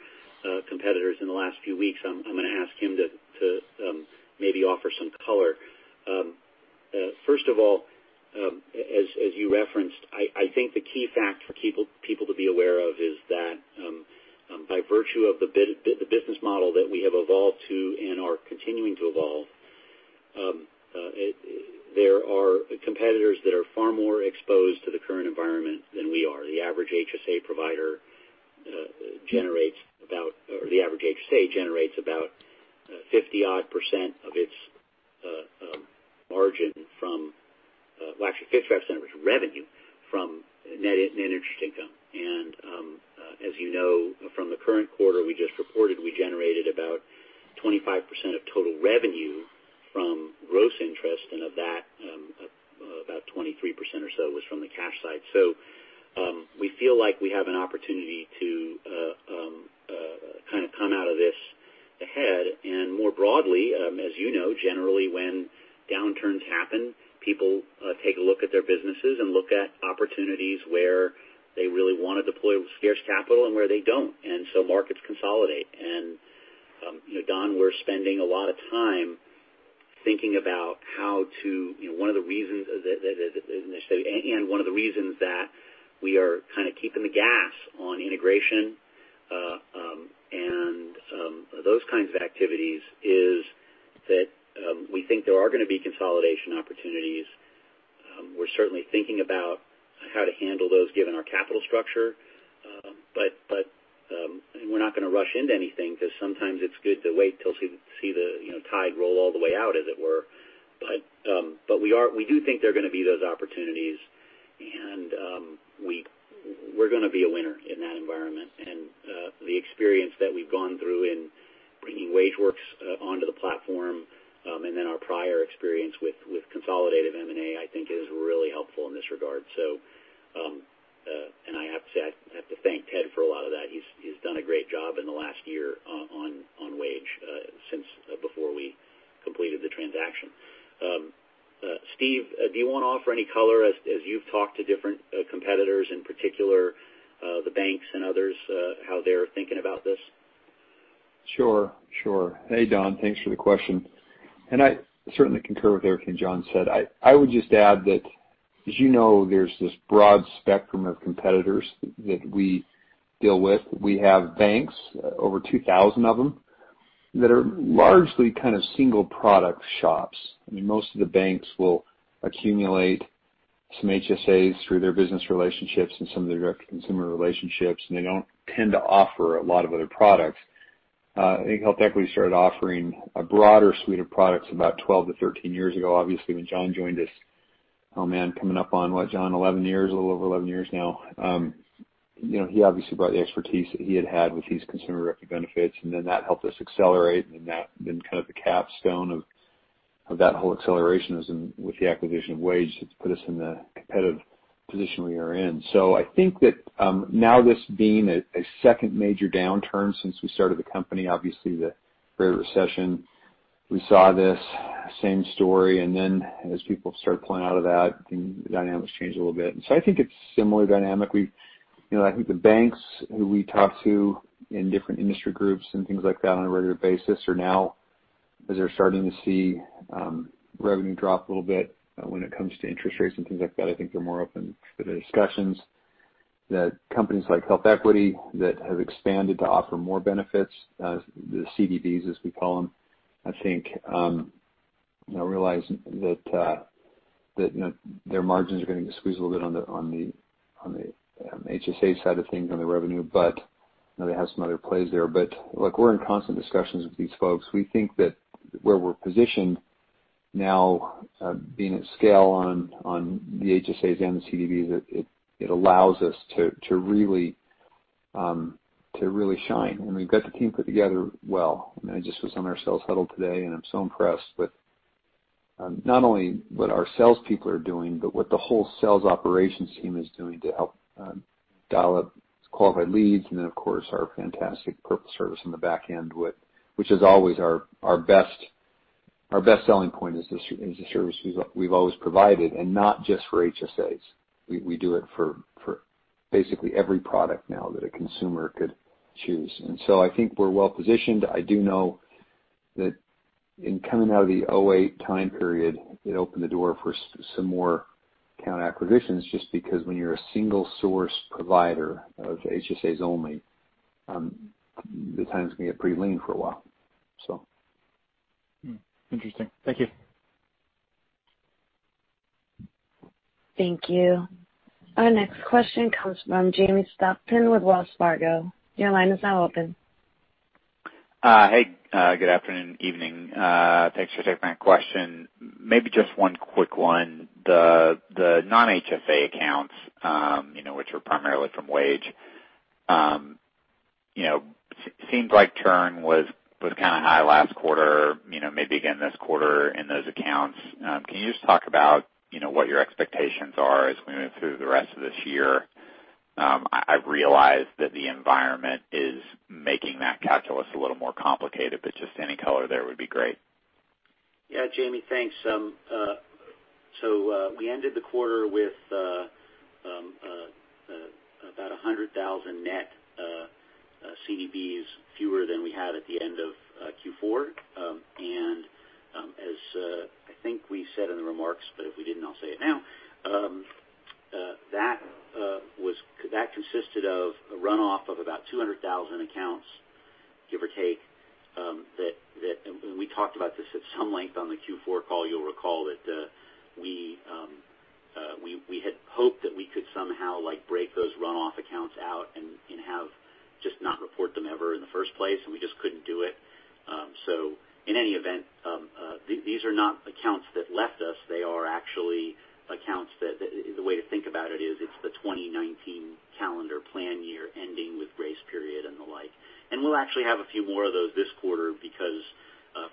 competitors in the last few weeks, I'm going to ask him to maybe offer some color. First of all, as you referenced, I think the key fact for people to be aware of is that by virtue of the business model that we have evolved to and are continuing to evolve, there are competitors that are far more exposed to the current environment than we are. The average HSA generates about 50-odd% of its margin from, well, actually 55% of its revenue from net interest income. As you know, from the current quarter we just reported, we generated about 25% of total revenue from gross interest, and of that, about 23% or so was from the cash side. We feel like we have an opportunity to come out of this ahead. More broadly, as you know, generally when downturns happen, people take a look at their businesses and look at opportunities where they really want to deploy scarce capital and where they don't. Markets consolidate. Don, we're spending a lot of time thinking about how one of the reasons that, initially, and one of the reasons that we are keeping the gas on integration, and those kinds of activities is that we think there are going to be consolidation opportunities. We're certainly thinking about how to handle those given our capital structure. We're not going to rush into anything because sometimes it's good to wait till see the tide roll all the way out, as it were. We do think there are going to be those opportunities, and we're going to be a winner in that environment. The experience that we've gone through in bringing WageWorks onto the platform, and then our prior experience with consolidative M&A, I think is really helpful in this regard. I have to thank Ted for a lot of that. He's done a great job in the last year on Wage since before we completed the transaction. Steve, do you want to offer any color as you've talked to different competitors, in particular, the banks and others, how they're thinking about this? Sure. Hey, Don. Thanks for the question. I certainly concur with everything Jon said. I would just add that, as you know, there's this broad spectrum of competitors that we deal with. We have banks, over 2,000 of them, that are largely single product shops. I mean, most of the banks will accumulate some HSAs through their business relationships and some of their direct consumer relationships, and they don't tend to offer a lot of other products. I think HealthEquity started offering a broader suite of products about 12 to 13 years ago, obviously, when Jon joined us. Oh, man, coming up on what, Jon? 11 years. A little over 11 years now. He obviously brought the expertise that he had had with his Consumer-Directed Benefits, and then that helped us accelerate, and that then the capstone of that whole acceleration with the acquisition of Wage that's put us in the competitive position we are in. I think that now this being a second major downturn since we started the company, obviously the Great Recession, we saw this same story, and then as people start pulling out of that, the dynamics change a little bit. I think it's similar dynamic. I think the banks who we talk to in different industry groups and things like that on a regular basis are now, as they're starting to see revenue drop a little bit when it comes to interest rates and things like that, I think they're more open to the discussions that companies like HealthEquity that have expanded to offer more benefits, the CDBs, as we call them, I think, realize that their margins are going to squeeze a little bit on the HSA side of things on the revenue, but they have some other plays there. Look, we're in constant discussions with these folks. We think that where we're positioned now, being at scale on the HSAs and the CDBs, it allows us to really shine. We've got the team put together well. I mean, I just was on our sales huddle today, I'm so impressed with not only what our salespeople are doing, but what the whole sales operations team doing to help dial up qualified leads and then, of course, our fantastic service on the back end, which is always our best selling point is the service we've always provided, and not just for HSAs. We do it for Basically every product now that a consumer could choose. I think we're well-positioned. I do know that in coming out of the 2008 time period, it opened the door for some more account acquisitions, just because when you're a single source provider of HSAs only, the times can get pretty lean for a while. Interesting. Thank you. Thank you. Our next question comes from Jamie Stockton with Wells Fargo. Your line is now open. Hey, good afternoon, evening. Thanks for taking my question. Maybe just one quick one. The non-HSA accounts, which were primarily from Wage, seems like churn was kind of high last quarter, maybe again this quarter in those accounts. Can you just talk about what your expectations are as we move through the rest of this year? I realize that the environment is making that calculus a little more complicated. Just any color there would be great. Yeah, Jamie, thanks. We ended the quarter with about 100,000 net CDBs fewer than we had at the end of Q4. As I think we said in the remarks, but if we didn't, I'll say it now. That consisted of a runoff of about 200,000 accounts, give or take, and we talked about this at some length on the Q4 call, you'll recall, that we had hoped that we could somehow break those runoff accounts out and just not report them ever in the first place, and we just couldn't do it. In any event, these are not accounts that left us. They are actually accounts that, the way to think about it is, it's the 2019 calendar plan year ending with grace period and the like. We'll actually have a few more of those this quarter because,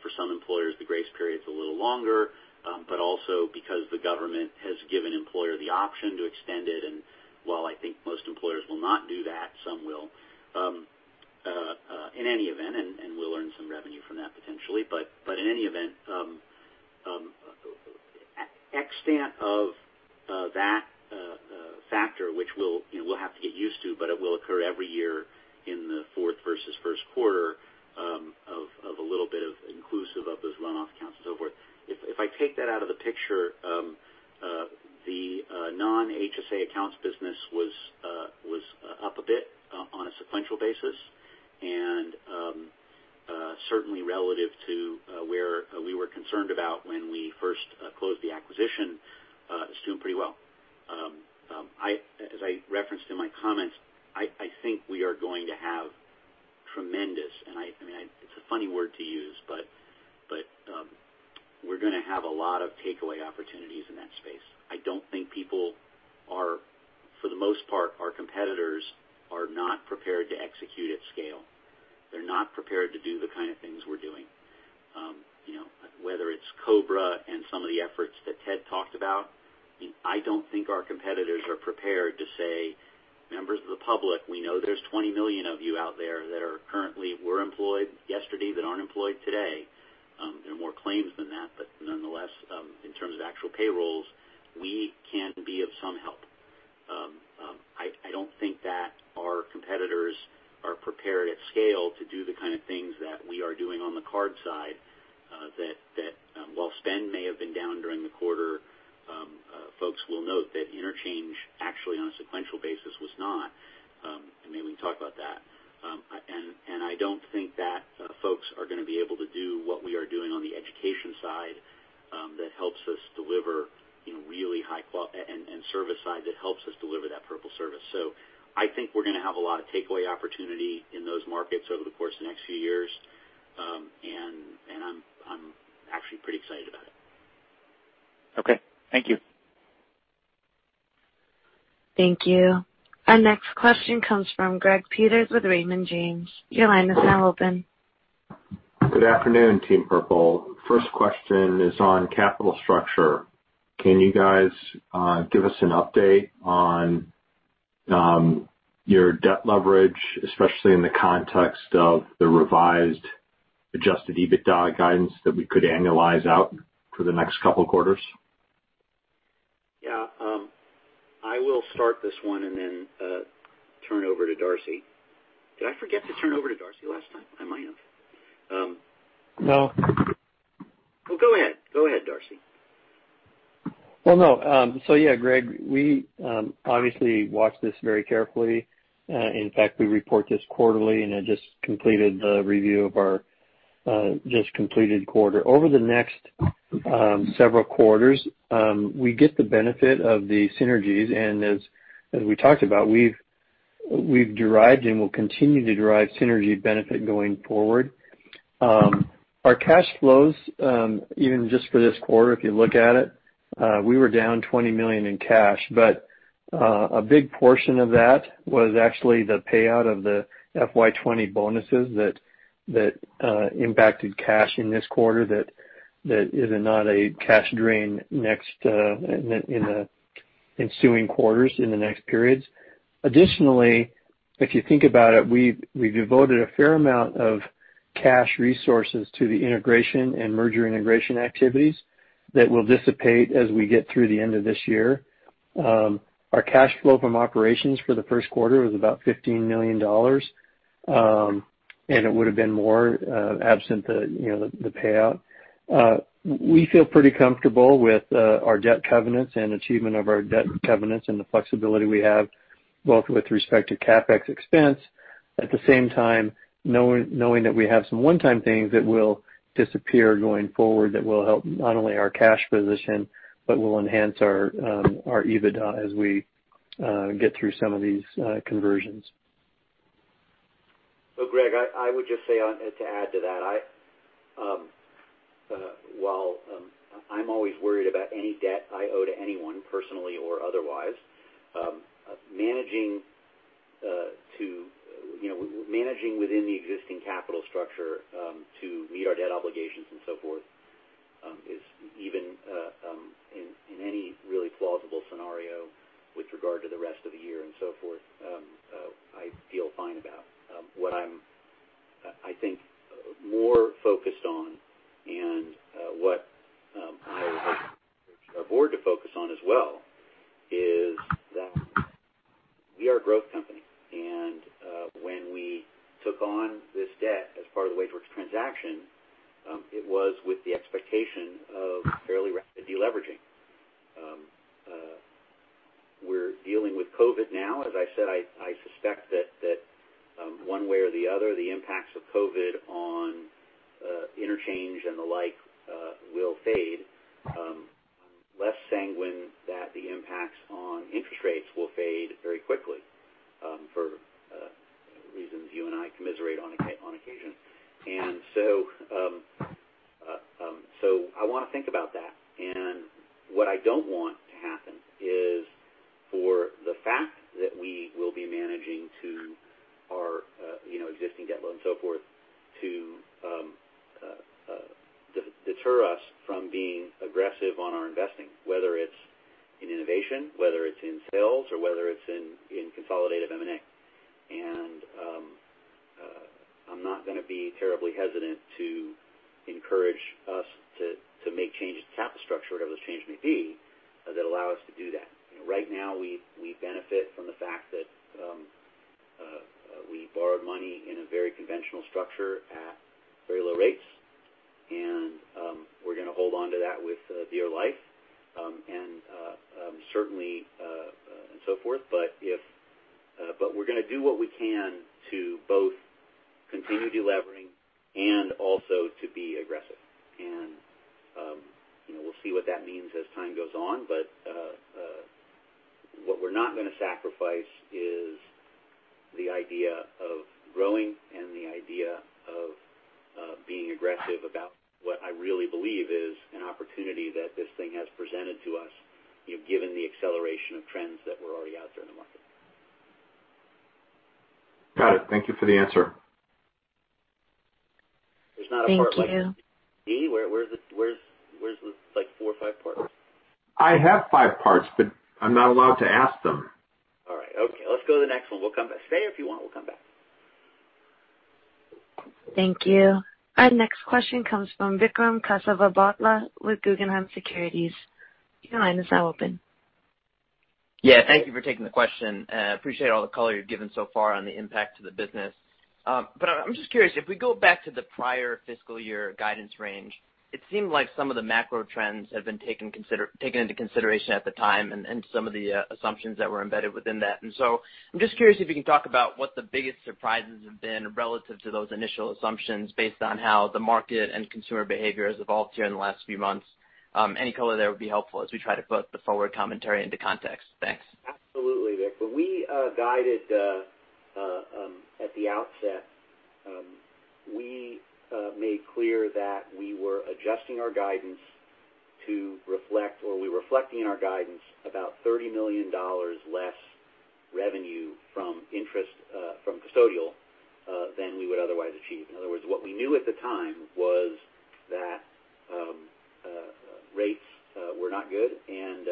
for some employers, the grace period is a little longer, but also because the government has given employer the option to extend it. While I think most employers will not do that, some will. In any event, and we'll earn some revenue from that potentially, but in any event, extent of that factor, which we'll have to get used to, but it will occur every year in the fourth versus first quarter, of a little bit of inclusive of those runoff accounts and so forth. If I take that out of the picture, the non-HSA accounts business was up a bit on a sequential basis, and certainly relative to where we were concerned about when we first closed the acquisition, it's doing pretty well. As I referenced in my comments, I think we are going to have tremendous, and it's a funny word to use, but we're going to have a lot of takeaway opportunities in that space. I don't think people are, for the most part, our competitors are not prepared to execute at scale. They're not prepared to do the kind of things we're doing. Whether it's COBRA and some of the efforts that Ted talked about, I don't think our competitors are prepared to say, "Members of the public, we know there's 20 million of you out there that are currently were employed yesterday that aren't employed today." Nonetheless, in terms of actual payrolls, we can be of some help. I don't think that our competitors are prepared at scale to do the kind of things that we are doing on the card side, that while spend may have been down during the quarter, folks will note that interchange actually on a sequential basis was not. Maybe we can talk about that. I don't think that folks are going to be able to do what we are doing on the education side that helps us deliver really high quality, and service side that helps us deliver that Purple service. I think we're going to have a lot of takeaway opportunity in those markets over the course of the next few years, and I'm actually pretty excited about it. Okay. Thank you. Thank you. Our next question comes from Greg Peters with Raymond James. Your line is now open. Good afternoon, Team Purple. First question is on capital structure. Can you guys give us an update on your debt leverage, especially in the context of the revised adjusted EBITDA guidance that we could annualize out for the next couple quarters? Yeah. I will start this one and then turn over to Darcy. Did I forget to turn over to Darcy last time? I might have. No. Well, go ahead. Go ahead, Darcy. Well, no. Yeah, Greg, we obviously watch this very carefully. In fact, we report this quarterly, and I just completed the review of our just completed quarter. Over the next several quarters, we get the benefit of the synergies, and as we talked about, we've derived and will continue to derive synergy benefit going forward. Our cash flows, even just for this quarter, if you look at it, we were down $20 million in cash, but a big portion of that was actually the payout of the FY 2020 bonuses that impacted cash in this quarter that is not a cash drain in ensuing quarters in the next periods. If you think about it, we've devoted a fair amount of cash resources to the integration and merger integration activities that will dissipate as we get through the end of this year. Our cash flow from operations for the first quarter was about $15 million. It would've been more absent the payout. We feel pretty comfortable with our debt covenants and achievement of our debt covenants and the flexibility we have both with respect to CapEx expense. At the same time, knowing that we have some one-time things that will disappear going forward, that will help not only our cash position, but will enhance our EBITDA as we get through some of these conversions. Greg, I would just say to add to that, while I'm always worried about any debt I owe to anyone, personally or otherwise, managing within the existing capital structure to meet our debt obligations and so forth is even in any really plausible scenario with regard to the rest of the year and so forth, I feel fine about. What I think more focused on and what I would hope our board to focus on as well is that we are a growth company. When we took on this debt as part of the WageWorks transaction, it was with the expectation of fairly rapid deleveraging. We're dealing with COVID now. As I said, I suspect that one way or the other, the impacts of COVID on interchange and the like will fade. I'm less sanguine that the impacts on interest rates will fade very quickly for reasons you and I commiserate on occasion. I want to think about that. What I don't want to happen is for the fact that we will be managing to our existing debt load and so forth to deter us from being aggressive on our investing, whether it's in innovation, whether it's in sales, or whether it's in consolidative M&A. I'm not going to be terribly hesitant to encourage us to make changes to capital structure, whatever those changes may be that allow us to do that. Right now, we benefit from the fact that we borrowed money in a very conventional structure at very low rates, and we're going to hold onto that with dear life. We're going to do what we can to both continue delevering and also to be aggressive. We'll see what that means as time goes on. What we're not going to sacrifice is the idea of growing and the idea of being aggressive about what I really believe is an opportunity that this thing has presented to us, given the acceleration of trends that were already out there in the market. Got it. Thank you for the answer. There's not a part like C? Where's the four or five parts? I have five parts, but I'm not allowed to ask them. All right. Okay. Let's go to the next one. We'll come back. Stay if you want, we'll come back. Thank you. Our next question comes from Vikram Kesavabhotla with Guggenheim Securities. Your line is now open. Yeah. Thank you for taking the question. Appreciate all the color you've given so far on the impact to the business. I'm just curious if we go back to the prior fiscal year guidance range, it seemed like some of the macro trends have been taken into consideration at the time and some of the assumptions that were embedded within that. I'm just curious if you can talk about what the biggest surprises have been relative to those initial assumptions based on how the market and consumer behavior has evolved here in the last few months. Any color there would be helpful as we try to put the forward commentary into context. Thanks. Absolutely, Vik. When we guided at the outset we made clear that we were adjusting our guidance to reflect, or we were reflecting in our guidance about $30 million less revenue from interest from custodial than we would otherwise achieve. In other words, what we knew at the time was that rates were not good and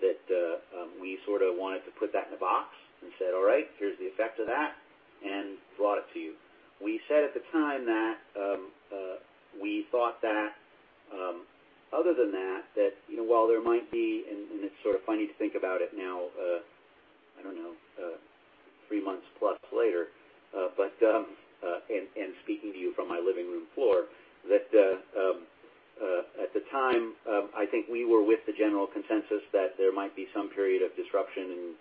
that we sort of wanted to put that in a box and said, "All right, here's the effect of that," and brought it to you. We said at the time that we thought that other than that while there might be, and it's sort of funny to think about it now I don't know three months plus later and speaking to you from my living room floor, that at the time I think we were with the general consensus that there might be some period of disruption in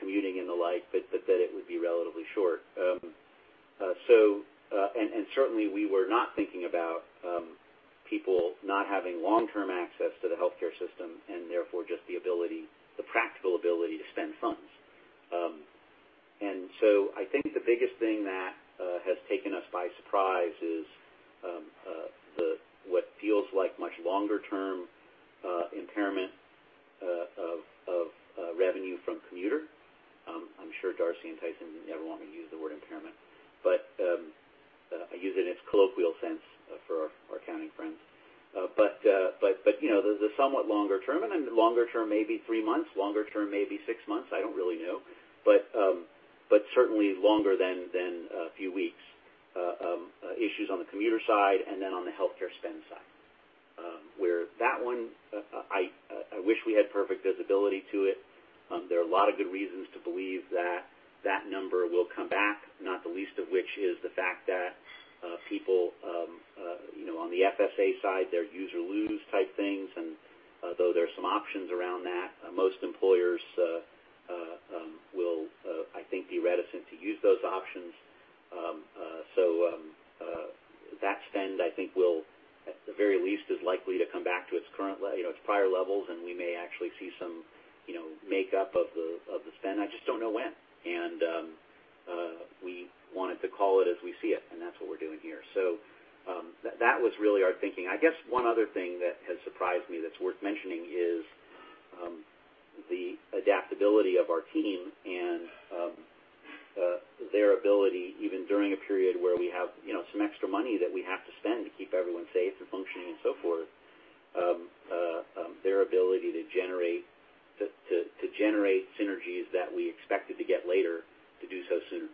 commuting and the like but that it would be relatively short. Certainly we were not thinking about people not having long-term access to the healthcare system and therefore just the practical ability to spend funds. I think the biggest thing that has taken us by surprise is what feels like much longer-term impairment of revenue from commuter. I'm sure Darcy and Tyson would never want me to use the word impairment. I use it in its colloquial sense for our accounting friends. The somewhat longer term, the longer term may be 3 months, longer term may be 6 months, I don't really know. Certainly longer than a few weeks. Issues on the commuter side and then on the healthcare spend side. Where that one, I wish we had perfect visibility to it. There are a lot of good reasons to believe that that number will come back, not the least of which is the fact that people, on the FSA side, they're use or lose type things, and though there are some options around that, most employers will, I think, be reticent to use those options. That spend, I think, at the very least, is likely to come back to its prior levels, and we may actually see some makeup of the spend. I just don't know when. We wanted to call it as we see it, and that's what we're doing here. That was really our thinking. I guess one other thing that has surprised me that's worth mentioning is the adaptability of our team and their ability, even during a period where we have some extra money that we have to spend to keep everyone safe and functioning and so forth, their ability to generate synergies that we expected to get later, to do so sooner.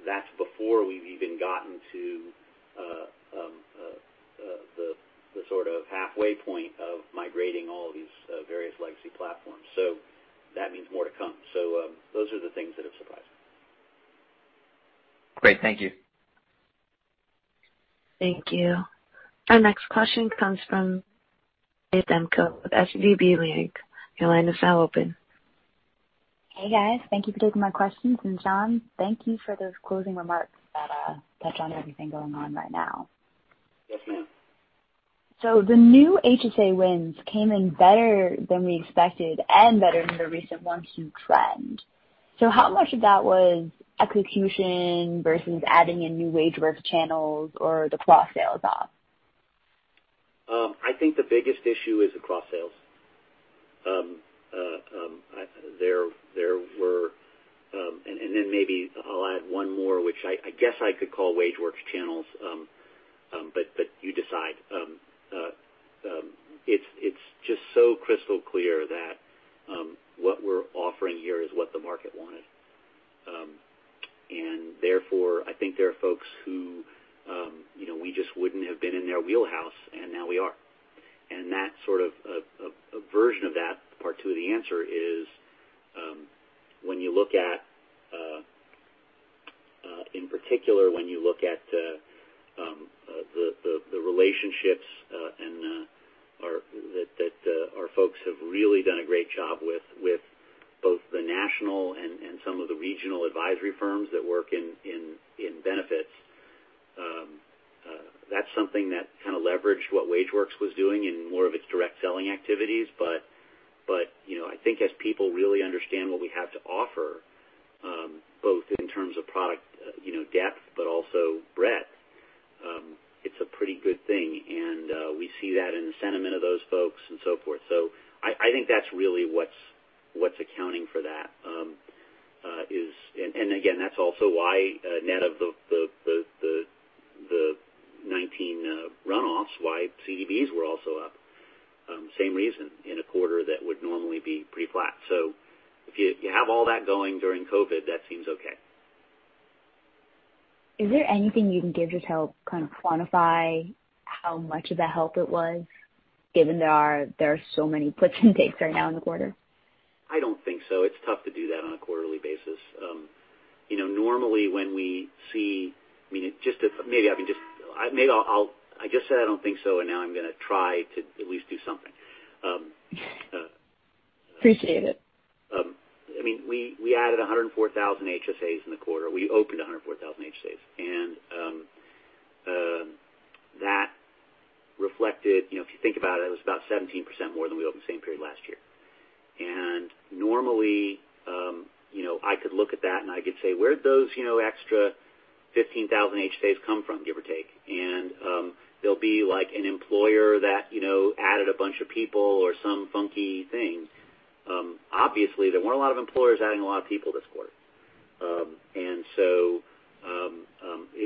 That's before we've even gotten to the sort of halfway point of migrating all these various legacy platforms. That means more to come. Those are the things that have surprised me. Great. Thank you. Thank you. Our next question comes from Athem Ko with SVB Leerink. Your line is now open. Hey, guys. Thank you for taking my questions. Jon, thank you for those closing remarks that touch on everything going on right now. You're welcome. The new HSA wins came in better than we expected and better than the recent one, two trend. How much of that was execution versus adding in new WageWorks channels or the cross-sales off? I think the biggest issue is the cross-sales. Maybe I'll add one more, which I guess I could call WageWorks channels, but you decide. It's just so crystal clear that what we're offering here is what the market wanted. I think there are folks who we just wouldn't have been in their wheelhouse, and now we are. A version of that, part two of the answer is, in particular, when you look at the relationships that our folks have really done a great job with both the national and some of the regional advisory firms that work in benefits. That's something that kind of leveraged what WageWorks was doing in more of its direct selling activities. I think as people really understand what we have to offer, both in terms of product depth, but also breadth, it's a pretty good thing, and we see that in the sentiment of those folks and so forth. I think that's really what's accounting for that. Again, that's also why net of the 19 runoffs, why CDBs were also up. Same reason in a quarter that would normally be pretty flat. If you have all that going during COVID, that seems okay. Is there anything you can give to help kind of quantify how much of the help it was, given there are so many puts and takes right now in the quarter? I don't think so. It's tough to do that on a quarterly basis. I just said I don't think so, now I'm going to try to at least do something. Appreciate it. We added 104,000 HSAs in the quarter. We opened 104,000 HSAs. That reflected, if you think about it was about 17% more than we opened the same period last year. Normally, I could look at that and I could say, "Where'd those extra 15,000 HSAs come from?" Give or take. There'll be like an employer that added a bunch of people or some funky thing. Obviously, there weren't a lot of employers adding a lot of people this quarter.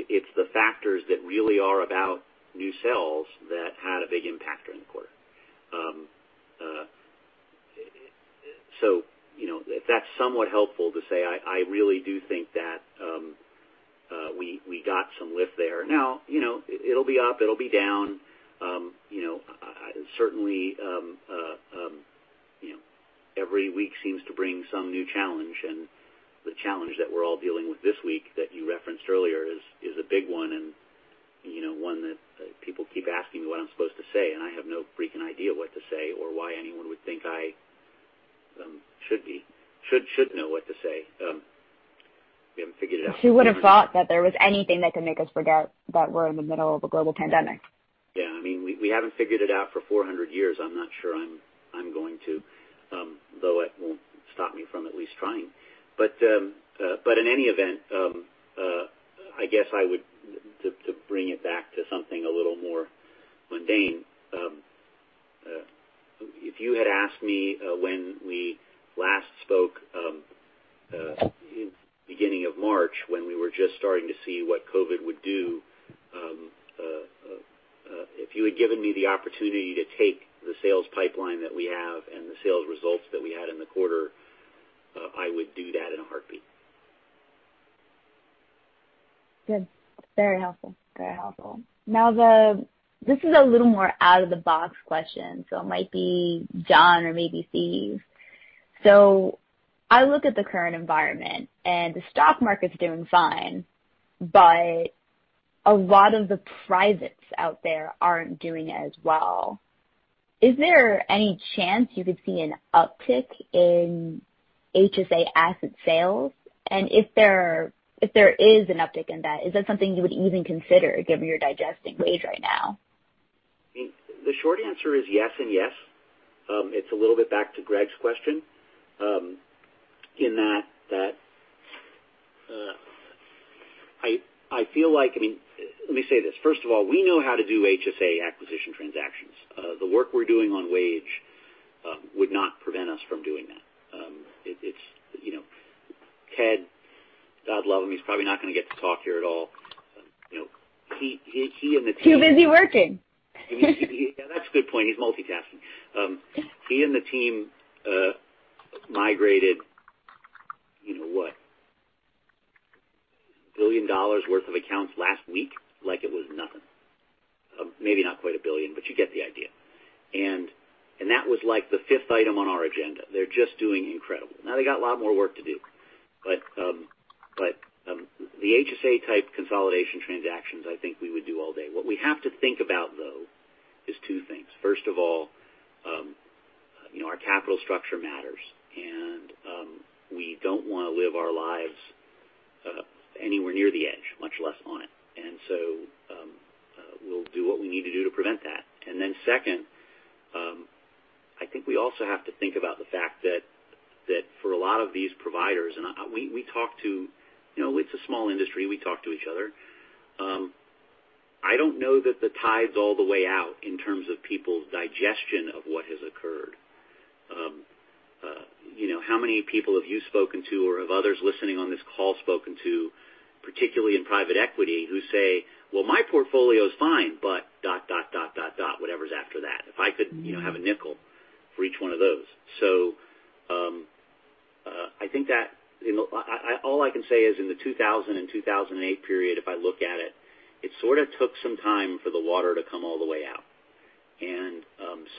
It's the factors that really are about new sales that had a big impact during the quarter. If that's somewhat helpful to say, I really do think that we got some lift there. Now, it'll be up, it'll be down. Certainly, every week seems to bring some new challenge, and the challenge that we're all dealing with this week that you referenced earlier is a big one and one that people keep asking me what I'm supposed to say, and I have no freaking idea what to say or why anyone would think I should know what to say. We haven't figured it out. Who would've thought that there was anything that could make us forget that we're in the middle of a global pandemic? Yeah. We haven't figured it out for 400 years. I'm not sure I'm going to. Though it won't stop me from at least trying. In any event, I guess to bring it back to something a little more mundane If you had asked me when we last spoke in beginning of March when we were just starting to see what COVID would do, if you had given me the opportunity to take the sales pipeline that we have and the sales results that we had in the quarter, I would do that in a heartbeat. Good. Very helpful. This is a little more out-of-the-box question, so it might be Jon or maybe Steve. I look at the current environment, and the stock market's doing fine, but a lot of the privates out there aren't doing as well. Is there any chance you could see an uptick in HSA asset sales? And if there is an uptick in that, is that something you would even consider given your digesting Wage right now? The short answer is yes and yes. It's a little bit back to Greg's question, in that let me say this. First of all, we know how to do HSA acquisition transactions. The work we're doing on Wage would not prevent us from doing that. Ted, God love him, he's probably not going to get to talk here at all. He and the team- Too busy working. That's a good point. He's multitasking. He and the team migrated, what, $1 billion worth of accounts last week like it was nothing. Maybe not quite $1 billion, but you get the idea. That was the fifth item on our agenda. They're just doing incredible. They got a lot more work to do, but the HSA-type consolidation transactions, I think we would do all day. What we have to think about, though, is two things. First of all, our capital structure matters, and we don't want to live our lives anywhere near the edge, much less on it. We'll do what we need to do to prevent that. Second, I think we also have to think about the fact that for a lot of these providers, and it's a small industry, we talk to each other. I don't know that the tide's all the way out in terms of people's digestion of what has occurred. How many people have you spoken to or have others listening on this call spoken to, particularly in private equity, who say, "Well, my portfolio is fine, but dot, dot," whatever's after that. If I could have a nickel for each one of those. All I can say is in the 2000 and 2008 period, if I look at it sort of took some time for the water to come all the way out.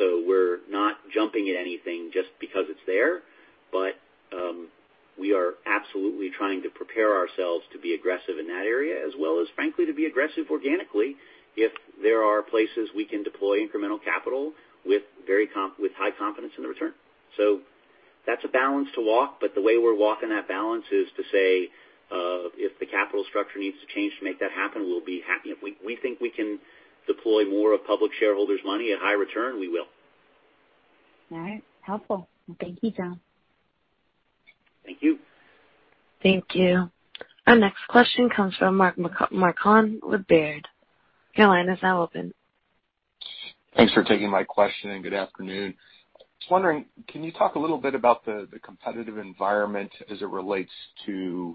We're not jumping at anything just because it's there, but we are absolutely trying to prepare ourselves to be aggressive in that area, as well as frankly, to be aggressive organically if there are places we can deploy incremental capital with high confidence in the return. That's a balance to walk, but the way we're walking that balance is to say if the capital structure needs to change to make that happen, we'll be happy. If we think we can deploy more of public shareholders' money at high return, we will. All right. Helpful. Thank you, Jon. Thank you. Thank you. Our next question comes from Mark Marcon with Baird. Your line is now open. Thanks for taking my question. Good afternoon. I was wondering, can you talk a little bit about the competitive environment as it relates to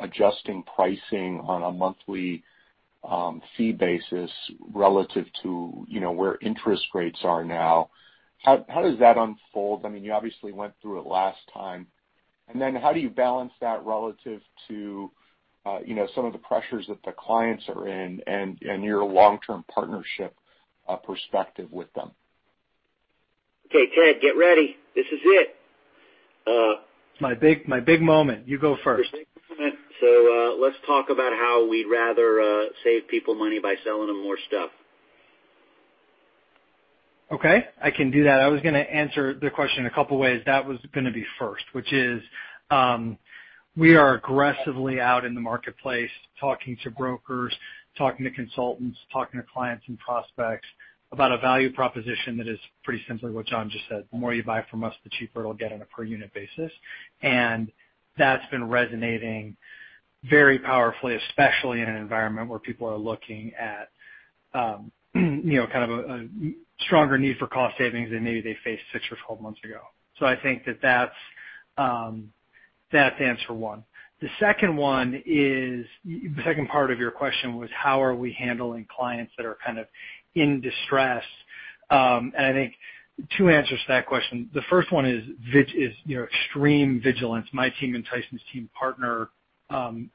adjusting pricing on a monthly fee basis relative to where interest rates are now? How does that unfold? You obviously went through it last time. Then how do you balance that relative to some of the pressures that the clients are in and your long-term partnership perspective with them? Okay, Ted, get ready. This is it. My big moment. You go first. Your big moment. Let's talk about how we'd rather save people money by selling them more stuff. Okay. I can do that. I was going to answer the question a couple ways. That was going to be first, which is we are aggressively out in the marketplace talking to brokers, talking to consultants, talking to clients and prospects about a value proposition that is pretty simply what Jon just said. The more you buy from us, the cheaper it'll get on a per unit basis. That's been resonating very powerfully, especially in an environment where people are looking at a stronger need for cost savings than maybe they faced six or 12 months ago. I think that that's answer one. The second part of your question was how are we handling clients that are kind of in distress? I think two answers to that question. The first one is extreme vigilance. My team and Tyson's team partner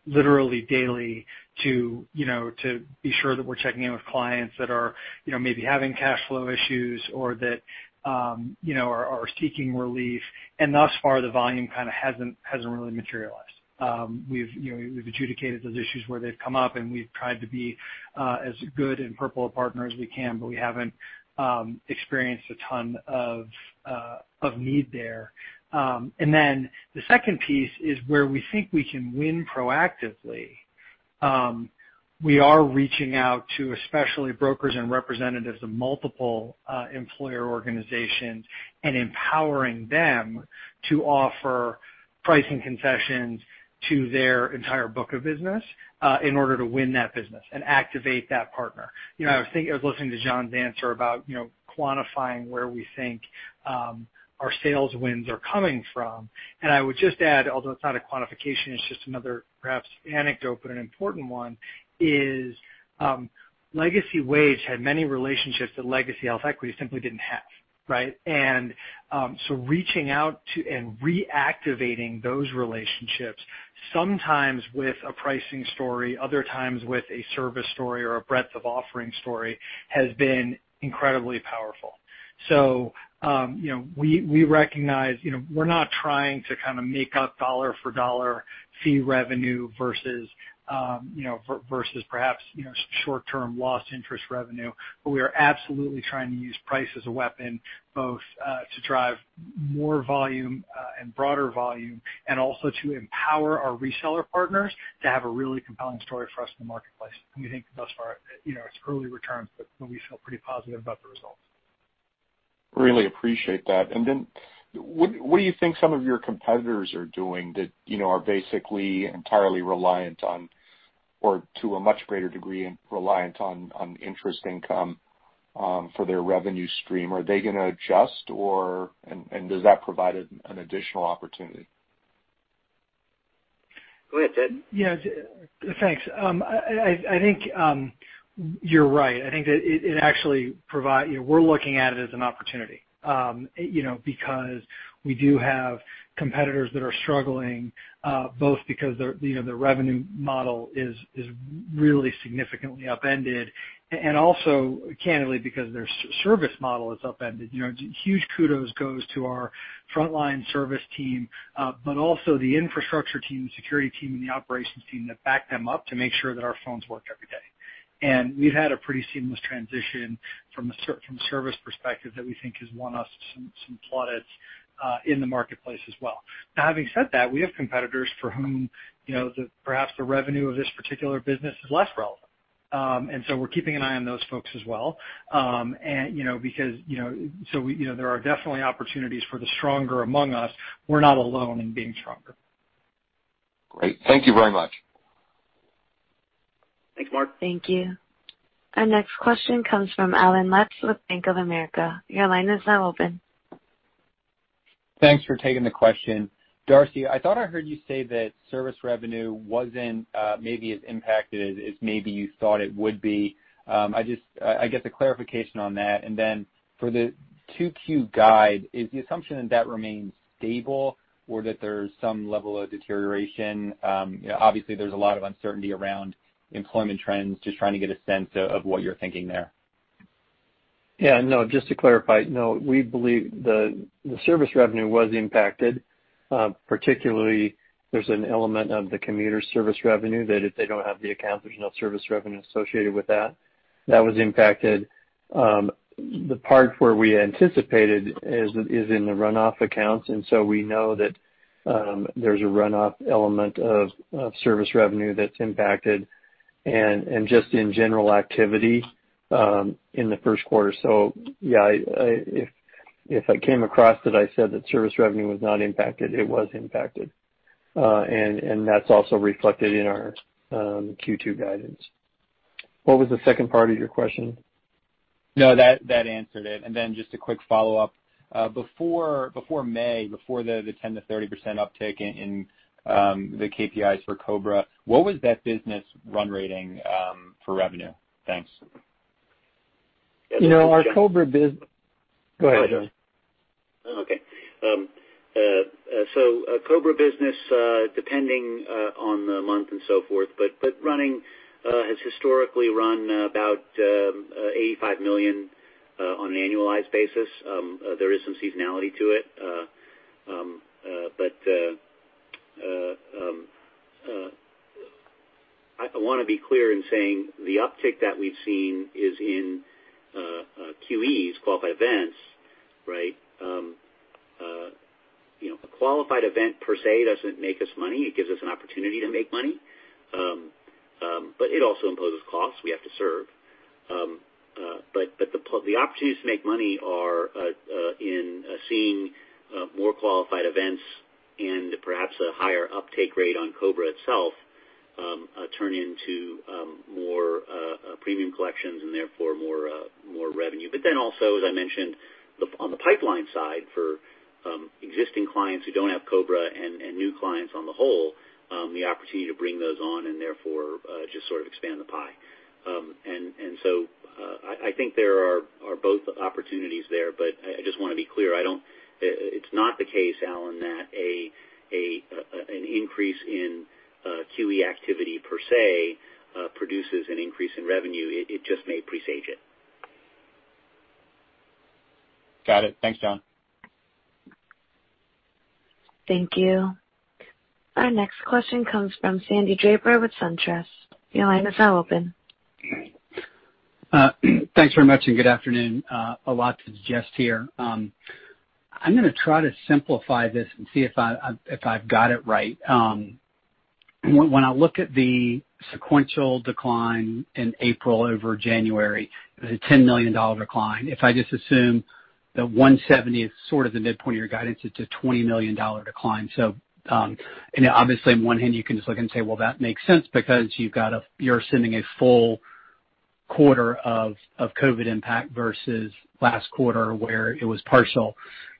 literally daily to be sure that we're checking in with clients that are maybe having cash flow issues or that are seeking relief. Thus far, the volume hasn't really materialized. We've adjudicated those issues where they've come up, and we've tried to be as good and Purple a partner as we can, but we haven't experienced a ton of need there. Then the second piece is where we think we can win proactively. We are reaching out to especially brokers and representatives of multiple employer organizations empowering them to offer pricing concessions to their entire book of business in order to win that business and activate that partner. I was listening to Jon's answer about quantifying where we think our sales wins are coming from, I would just add, although it's not a quantification, it's just another perhaps anecdote, but an important one is, Legacy Wage had many relationships that Legacy HealthEquity simply didn't have. Right? Reaching out to and reactivating those relationships, sometimes with a pricing story, other times with a service story or a breadth of offering story, has been incredibly powerful. We recognize, we're not trying to kind of make up dollar for dollar fee revenue versus perhaps short-term lost interest revenue. We are absolutely trying to use price as a weapon, both to drive more volume and broader volume, and also to empower our reseller partners to have a really compelling story for us in the marketplace. We think thus far, it's early returns, but we feel pretty positive about the results. Really appreciate that. Then what do you think some of your competitors are doing that are basically entirely reliant on, or to a much greater degree, reliant on interest income for their revenue stream? Are they going to adjust, and does that provide an additional opportunity? Go ahead, Ted. Yeah. Thanks. I think you're right. I think that We're looking at it as an opportunity because we do have competitors that are struggling both because their revenue model is really significantly upended and also, candidly, because their service model is upended. Huge kudos goes to our frontline service team, but also the infrastructure team, the security team, and the operations team that back them up to make sure that our phones work every day. We've had a pretty seamless transition from a service perspective that we think has won us some plaudits in the marketplace as well. Now, having said that, we have competitors for whom perhaps the revenue of this particular business is less relevant. So we're keeping an eye on those folks as well. There are definitely opportunities for the stronger among us. We're not alone in being stronger. Great. Thank you very much. Thanks, Mark. Thank you. Our next question comes from Allen Lutz with Bank of America. Your line is now open. Thanks for taking the question. Darcy, I thought I heard you say that service revenue wasn't maybe as impacted as maybe you thought it would be. I guess a clarification on that, and then for the 2Q guide, is the assumption that that remains stable or that there's some level of deterioration? Obviously there's a lot of uncertainty around employment trends. Just trying to get a sense of what you're thinking there. Just to clarify, no. The service revenue was impacted. Particularly, there's an element of the commuter service revenue that if they don't have the account, there's no service revenue associated with that. That was impacted. The part where we anticipated is in the runoff accounts, we know that there's a runoff element of service revenue that's impacted and just in general activity in the first quarter. If I came across that I said that service revenue was not impacted, it was impacted. That's also reflected in our Q2 guidance. What was the second part of your question? No, that answered it. Just a quick follow-up. Before May, before the 10%-30% uptick in the KPIs for COBRA, what was that business run rating for revenue? Thanks. Our COBRA bus- Yeah. Go ahead, Jon. Oh, yeah. Okay. COBRA business, depending on the month and so forth, but running has historically run about $85 million on an annualized basis. There is some seasonality to it. I want to be clear in saying the uptick that we've seen is in QEs, qualified events. A qualified event per se doesn't make us money. It gives us an opportunity to make money. It also imposes costs we have to serve. The opportunities to make money are in seeing more qualified events and perhaps a higher uptake rate on COBRA itself turn into more premium collections and therefore more revenue. Also, as I mentioned, on the pipeline side for existing clients who don't have COBRA and new clients on the whole, the opportunity to bring those on and therefore just sort of expand the pie. I think there are both opportunities there, but I just want to be clear. It's not the case, Allen, that an increase in QE activity per se produces an increase in revenue. It just may presage it. Got it. Thanks, Jon. Thank you. Our next question comes from Sandy Draper with SunTrust. Your line is now open. Thanks very much, good afternoon. A lot to digest here. I'm going to try to simplify this and see if I've got it right. When I look at the sequential decline in April over January, it was a $10 million decline. If I just assume that 170 is sort of the midpoint of your guidance, it's a $20 million decline. Obviously on one hand, you can just look and say, well, that makes sense because you're assuming a full quarter of COVID impact versus last quarter where it was partial.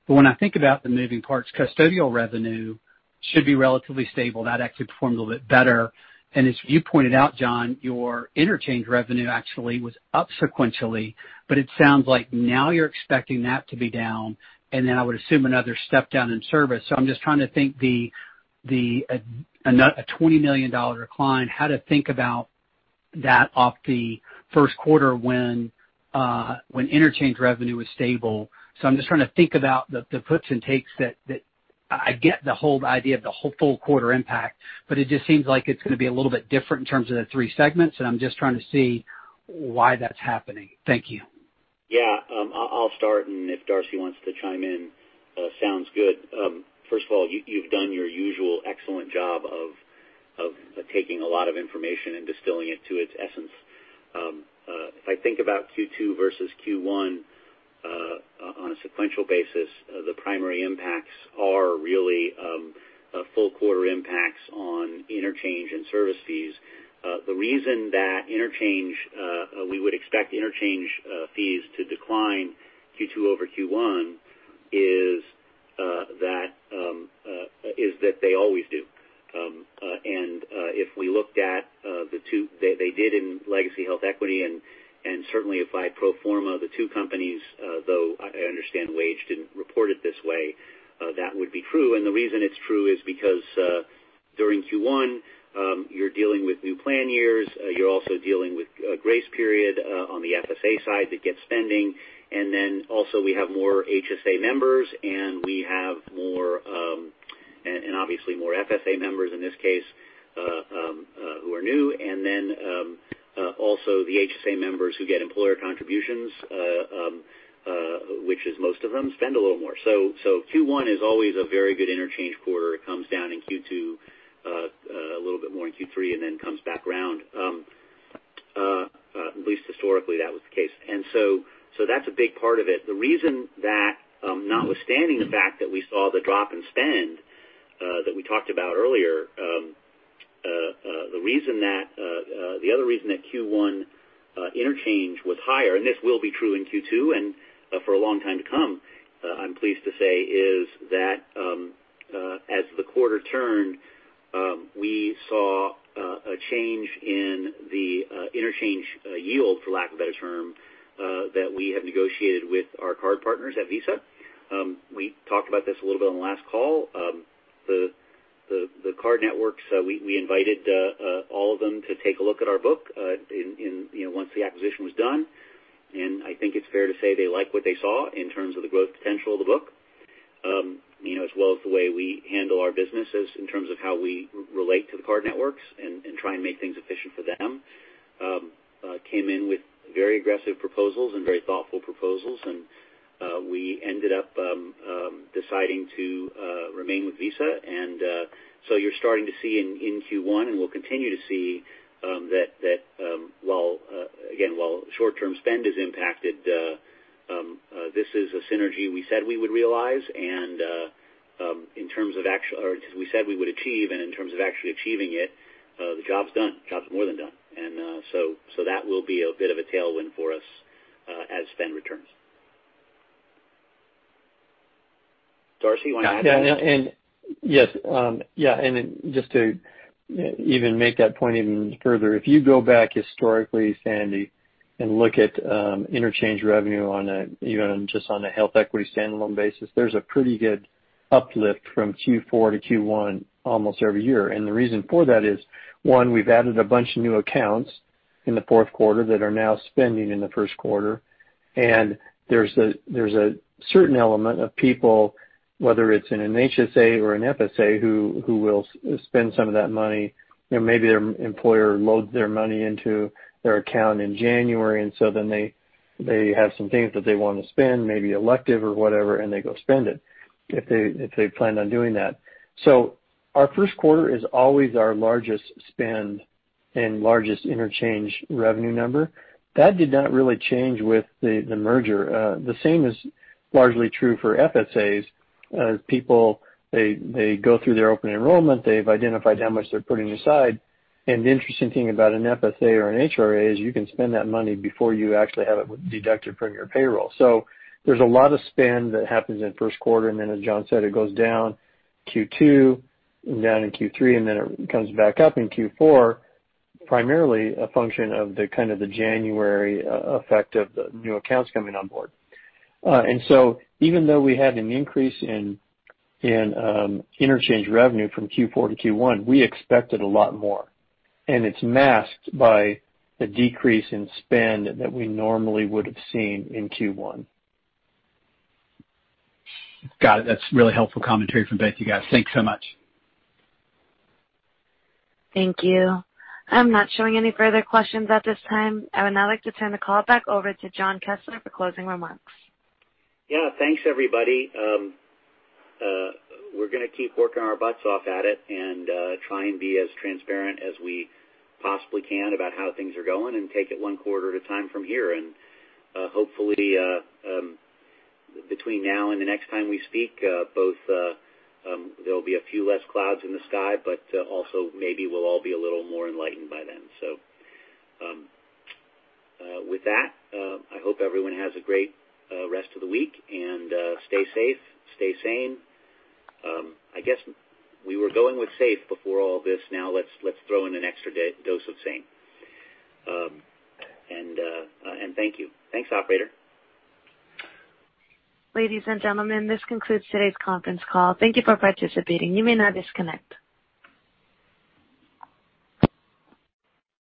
When I think about the moving parts, custodial revenue should be relatively stable. That actually performed a little bit better. As you pointed out, Jon, your interchange revenue actually was up sequentially, but it sounds like now you're expecting that to be down, and then I would assume another step down in service. I'm just trying to think the $20 million decline, how to think about that off the first quarter when interchange revenue is stable. I'm just trying to think about the puts and takes that I get the whole idea of the whole full quarter impact, but it just seems like it's going to be a little bit different in terms of the three segments, and I'm just trying to see why that's happening. Thank you. Yeah. I'll start, and if Darcy wants to chime in, sounds good. First of all, you've done your usual excellent job of taking a lot of information and distilling it to its essence. If I think about Q2 versus Q1, on a sequential basis, the primary impacts are really full quarter impacts on interchange and service fees. The reason that we would expect interchange fees to decline Q2 over Q1 is that they always do. If we looked at the two, they did in legacy HealthEquity and certainly if I pro forma the two companies, though I understand Wage didn't report it this way, that would be true. The reason it's true is because, during Q1, you're dealing with new plan years. You're also dealing with a grace period on the FSA side that gets spending. Also we have more HSA members and we have obviously more FSA members in this case, who are new. Also the HSA members who get employer contributions, which is most of them, spend a little more. Q1 is always a very good interchange quarter. It comes down in Q2, a little bit more in Q3, and then comes back around. At least historically, that was the case. That's a big part of it. Notwithstanding the fact that we saw the drop in spend that we talked about earlier, the other reason that Q1 interchange was higher, and this will be true in Q2 and for a long time to come, I'm pleased to say, is that as the quarter turned, we saw a change in the interchange yield, for lack of a better term, that we have negotiated with our card partners at Visa. We talked about this a little bit on the last call. The card networks, we invited all of them to take a look at our book once the acquisition was done. I think it's fair to say they liked what they saw in terms of the growth potential of the book, as well as the way we handle our business in terms of how we relate to the card networks and try and make things efficient for them. Came in with very aggressive proposals and very thoughtful proposals. We ended up deciding to remain with Visa. You're starting to see in Q1, and we'll continue to see, that while short-term spend is impacted, this is a synergy we said we would achieve, and in terms of actually achieving it, the job's done. The job's more than done. That will be a bit of a tailwind for us as spend returns. Darcy, you want to add to that? Yes. Just to even make that point even further, if you go back historically, Sandy, and look at interchange revenue even just on a HealthEquity standalone basis, there's a pretty good uplift from Q4 to Q1 almost every year. The reason for that is, one, we've added a bunch of new accounts in the fourth quarter that are now spending in the first quarter. There's a certain element of people, whether it's in an HSA or an FSA, who will spend some of that money. Maybe their employer loads their money into their account in January, then they have some things that they want to spend, maybe elective or whatever, and they go spend it, if they planned on doing that. Our first quarter is always our largest spend and largest interchange revenue number. That did not really change with the merger. The same is largely true for FSAs as people, they go through their open enrollment. They've identified how much they're putting aside. The interesting thing about an FSA or an HRA is you can spend that money before you actually have it deducted from your payroll. There's a lot of spend that happens in first quarter, then as Jon said, it goes down Q2, down in Q3, it comes back up in Q4, primarily a function of the January effect of the new accounts coming on board. Even though we had an increase in interchange revenue from Q4 to Q1, we expected a lot more, and it's masked by the decrease in spend that we normally would have seen in Q1. Got it. That's really helpful commentary from both you guys. Thanks so much. Thank you. I'm not showing any further questions at this time. I would now like to turn the call back over to Jon Kessler for closing remarks. Yeah. Thanks, everybody. We're going to keep working our butts off at it and try and be as transparent as we possibly can about how things are going and take it one quarter at a time from here. Hopefully, between now and the next time we speak, both there'll be a few less clouds in the sky, but also maybe we'll all be a little more enlightened by then. With that, I hope everyone has a great rest of the week and stay safe, stay sane. I guess we were going with safe before all this. Now let's throw in an extra dose of sane. Thank you. Thanks, operator. Ladies and gentlemen, this concludes today's conference call. Thank you for participating. You may now disconnect.